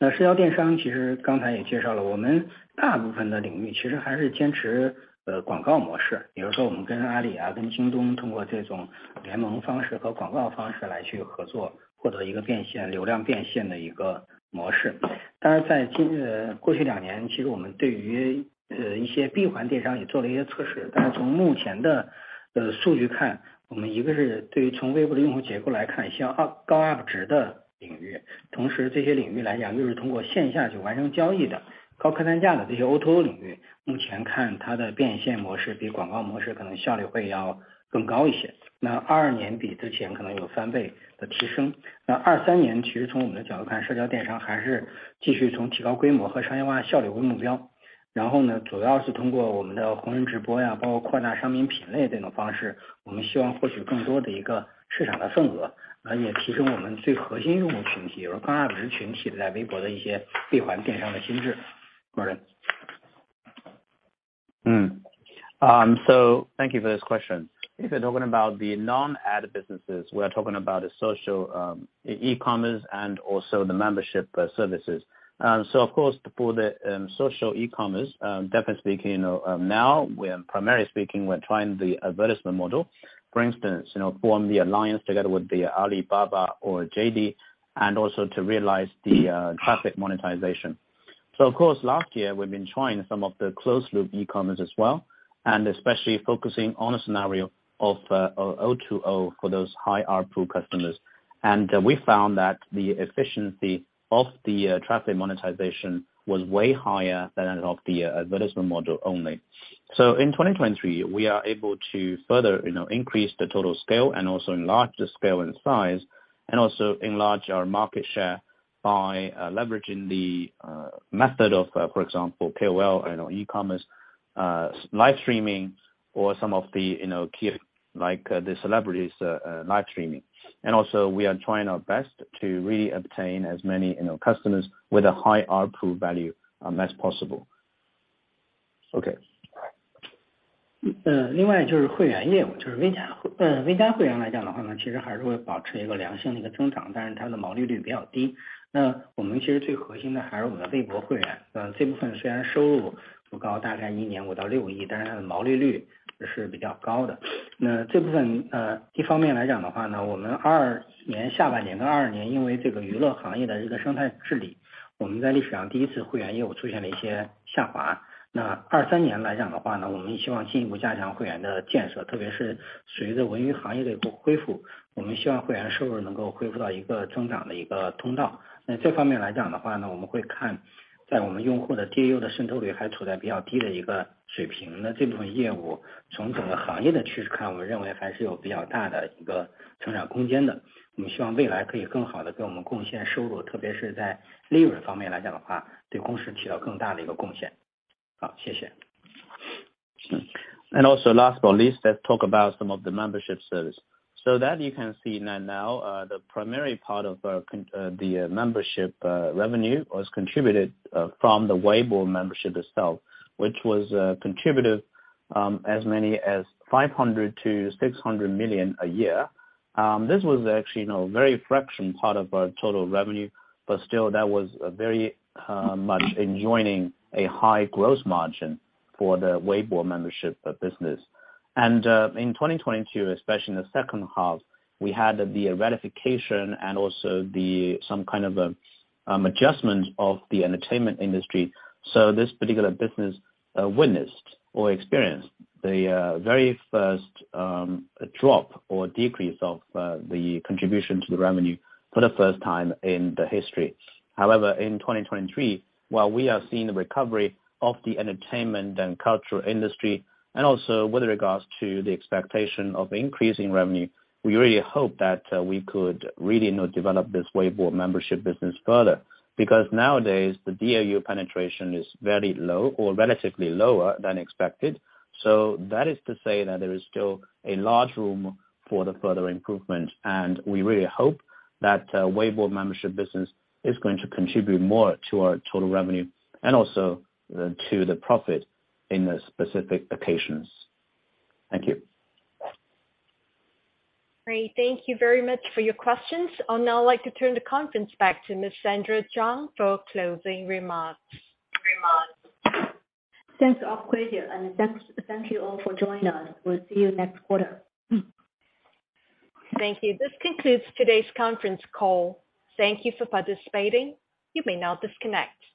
社交电商其实刚才也介绍 了， 我们大部分的领域其实还是坚持广告模式。比如说我们跟 Alibaba 啊， 跟 JD.com 通过这种联盟方式和广告方式来去合 作， 获得一个变 现， 流量变现的一个模式。当然在 今， 过去2 年， 其实我们对于一些闭环电商也做了一些测 试， 但是从目前的数据 看， 我们一个是对于从 Weibo 的用户结构来 看， 像高 UP值 的领 域， 同时这些领域来 讲， 又是通过线下去完成交易 的， 高客单价的这些 O2O 领 域， 目前看它的变现模式比广告模式可能效率会要更高一 些， 2022年比之前可能有翻倍的提升。2023年其实从我们的角度 看， 社交电商还是继续从提高规模和商业化效率为目标。主要是通过我们的红人直播 呀， 包括扩大商品品类这种方 式， 我们希望获取更多的一个市场的份 额， 也提升我们最核心用户群 体， 比如高 UP值 群体在 Weibo 的一些闭环电商的薪酬。Modern。Thank you for this question. If you're talking about the non-ad businesses, we're talking about the social, e-commerce and also the membership services. Of course for the social e-commerce, definitely speaking, you know, now we are primarily speaking, we're trying the advertisement model. For instance, you know, form the alliance together with the Alibaba or JD, and also to realize the traffic monetization. Of course last year we've been trying some of the closed loop e-commerce as well, and especially focusing on a scenario of O2O for those high ARPU customers. We found that the efficiency of the traffic monetization was way higher than that of the advertisement model only. In 2023, we are able to further, you know, increase the total scale and also enlarge the scale and size, and also enlarge our market share by leveraging the method of, for example, KOL, you know, e-commerce, live streaming or some of the, you know, key like the celebrities, live streaming. We are trying our best to really obtain as many, you know, customers with a high ARPU value as possible. Okay. 呃， 另外就是会员业 务， 就是微 加， 呃， 微加会员来讲的话 呢， 其实还是会保持一个良性的增 长， 但是它的毛利率比较低。那我们其实最核心的还是我们的微博会 员， 呃， 这部分虽然收入不 高， 大概一年五到六 亿， 但是它的毛利率是比较高的。那这部 分， 呃， 一方面来讲的话 呢， 我们二年下半年到二年因为这个娱乐行业的一个生态治 理， 我们在历史上第一次会员业务出现了一些下滑。那二三年来讲的话 呢， 我们也希望进一步加强会员的建 设， 特别是随着文娱行业的一个恢 复， 我们希望会员收入能够恢复到一个增长的一个通道。那这方面来讲的话 呢， 我们会看在我们用户的 DAU 的渗透率还处在比较低的一个水 平， 那这部分业务从整个行业的趋势 看， 我们认为还是有比较大的一个成长空间 的， 我们希望未来可以更好地给我们贡献收 入， 特别是在利润方面来讲的 话， 对公司起到更大的一个贡献。好， 谢谢。Last but not least, let's talk about some of the membership service. You can see that now the primary part of the membership revenue was contributed from the Weibo membership itself, which was contributed as many as $500 million-$600 million a year. This was actually, you know, very fraction part of our total revenue, but still that was a very much enjoying a high growth margin for the Weibo membership business. In 2022, especially in the second half, we had the ratification and also the some kind of adjustment of the entertainment industry. This particular business witnessed or experienced the very first drop or decrease of the contribution to the revenue for the first time in the history. However, in 2023, while we are seeing the recovery of the entertainment and cultural industry, and also with regards to the expectation of increasing revenue, we really hope that we could really, you know, develop this Weibo membership business further. Because nowadays the DAU penetration is very low or relatively lower than expected. That is to say that there is still a large room for the further improvement. We really hope that Weibo membership business is going to contribute more to our total revenue and also to the profit in the specific occasions. Thank you. Great. Thank you very much for your questions. I'd now like to turn the conference back to Ms. Sandra Zhang for closing remarks. Thanks of question. Thank you all for joining us. We'll see you next quarter. Thank you. This concludes today's conference call. Thank you for participating. You may now disconnect.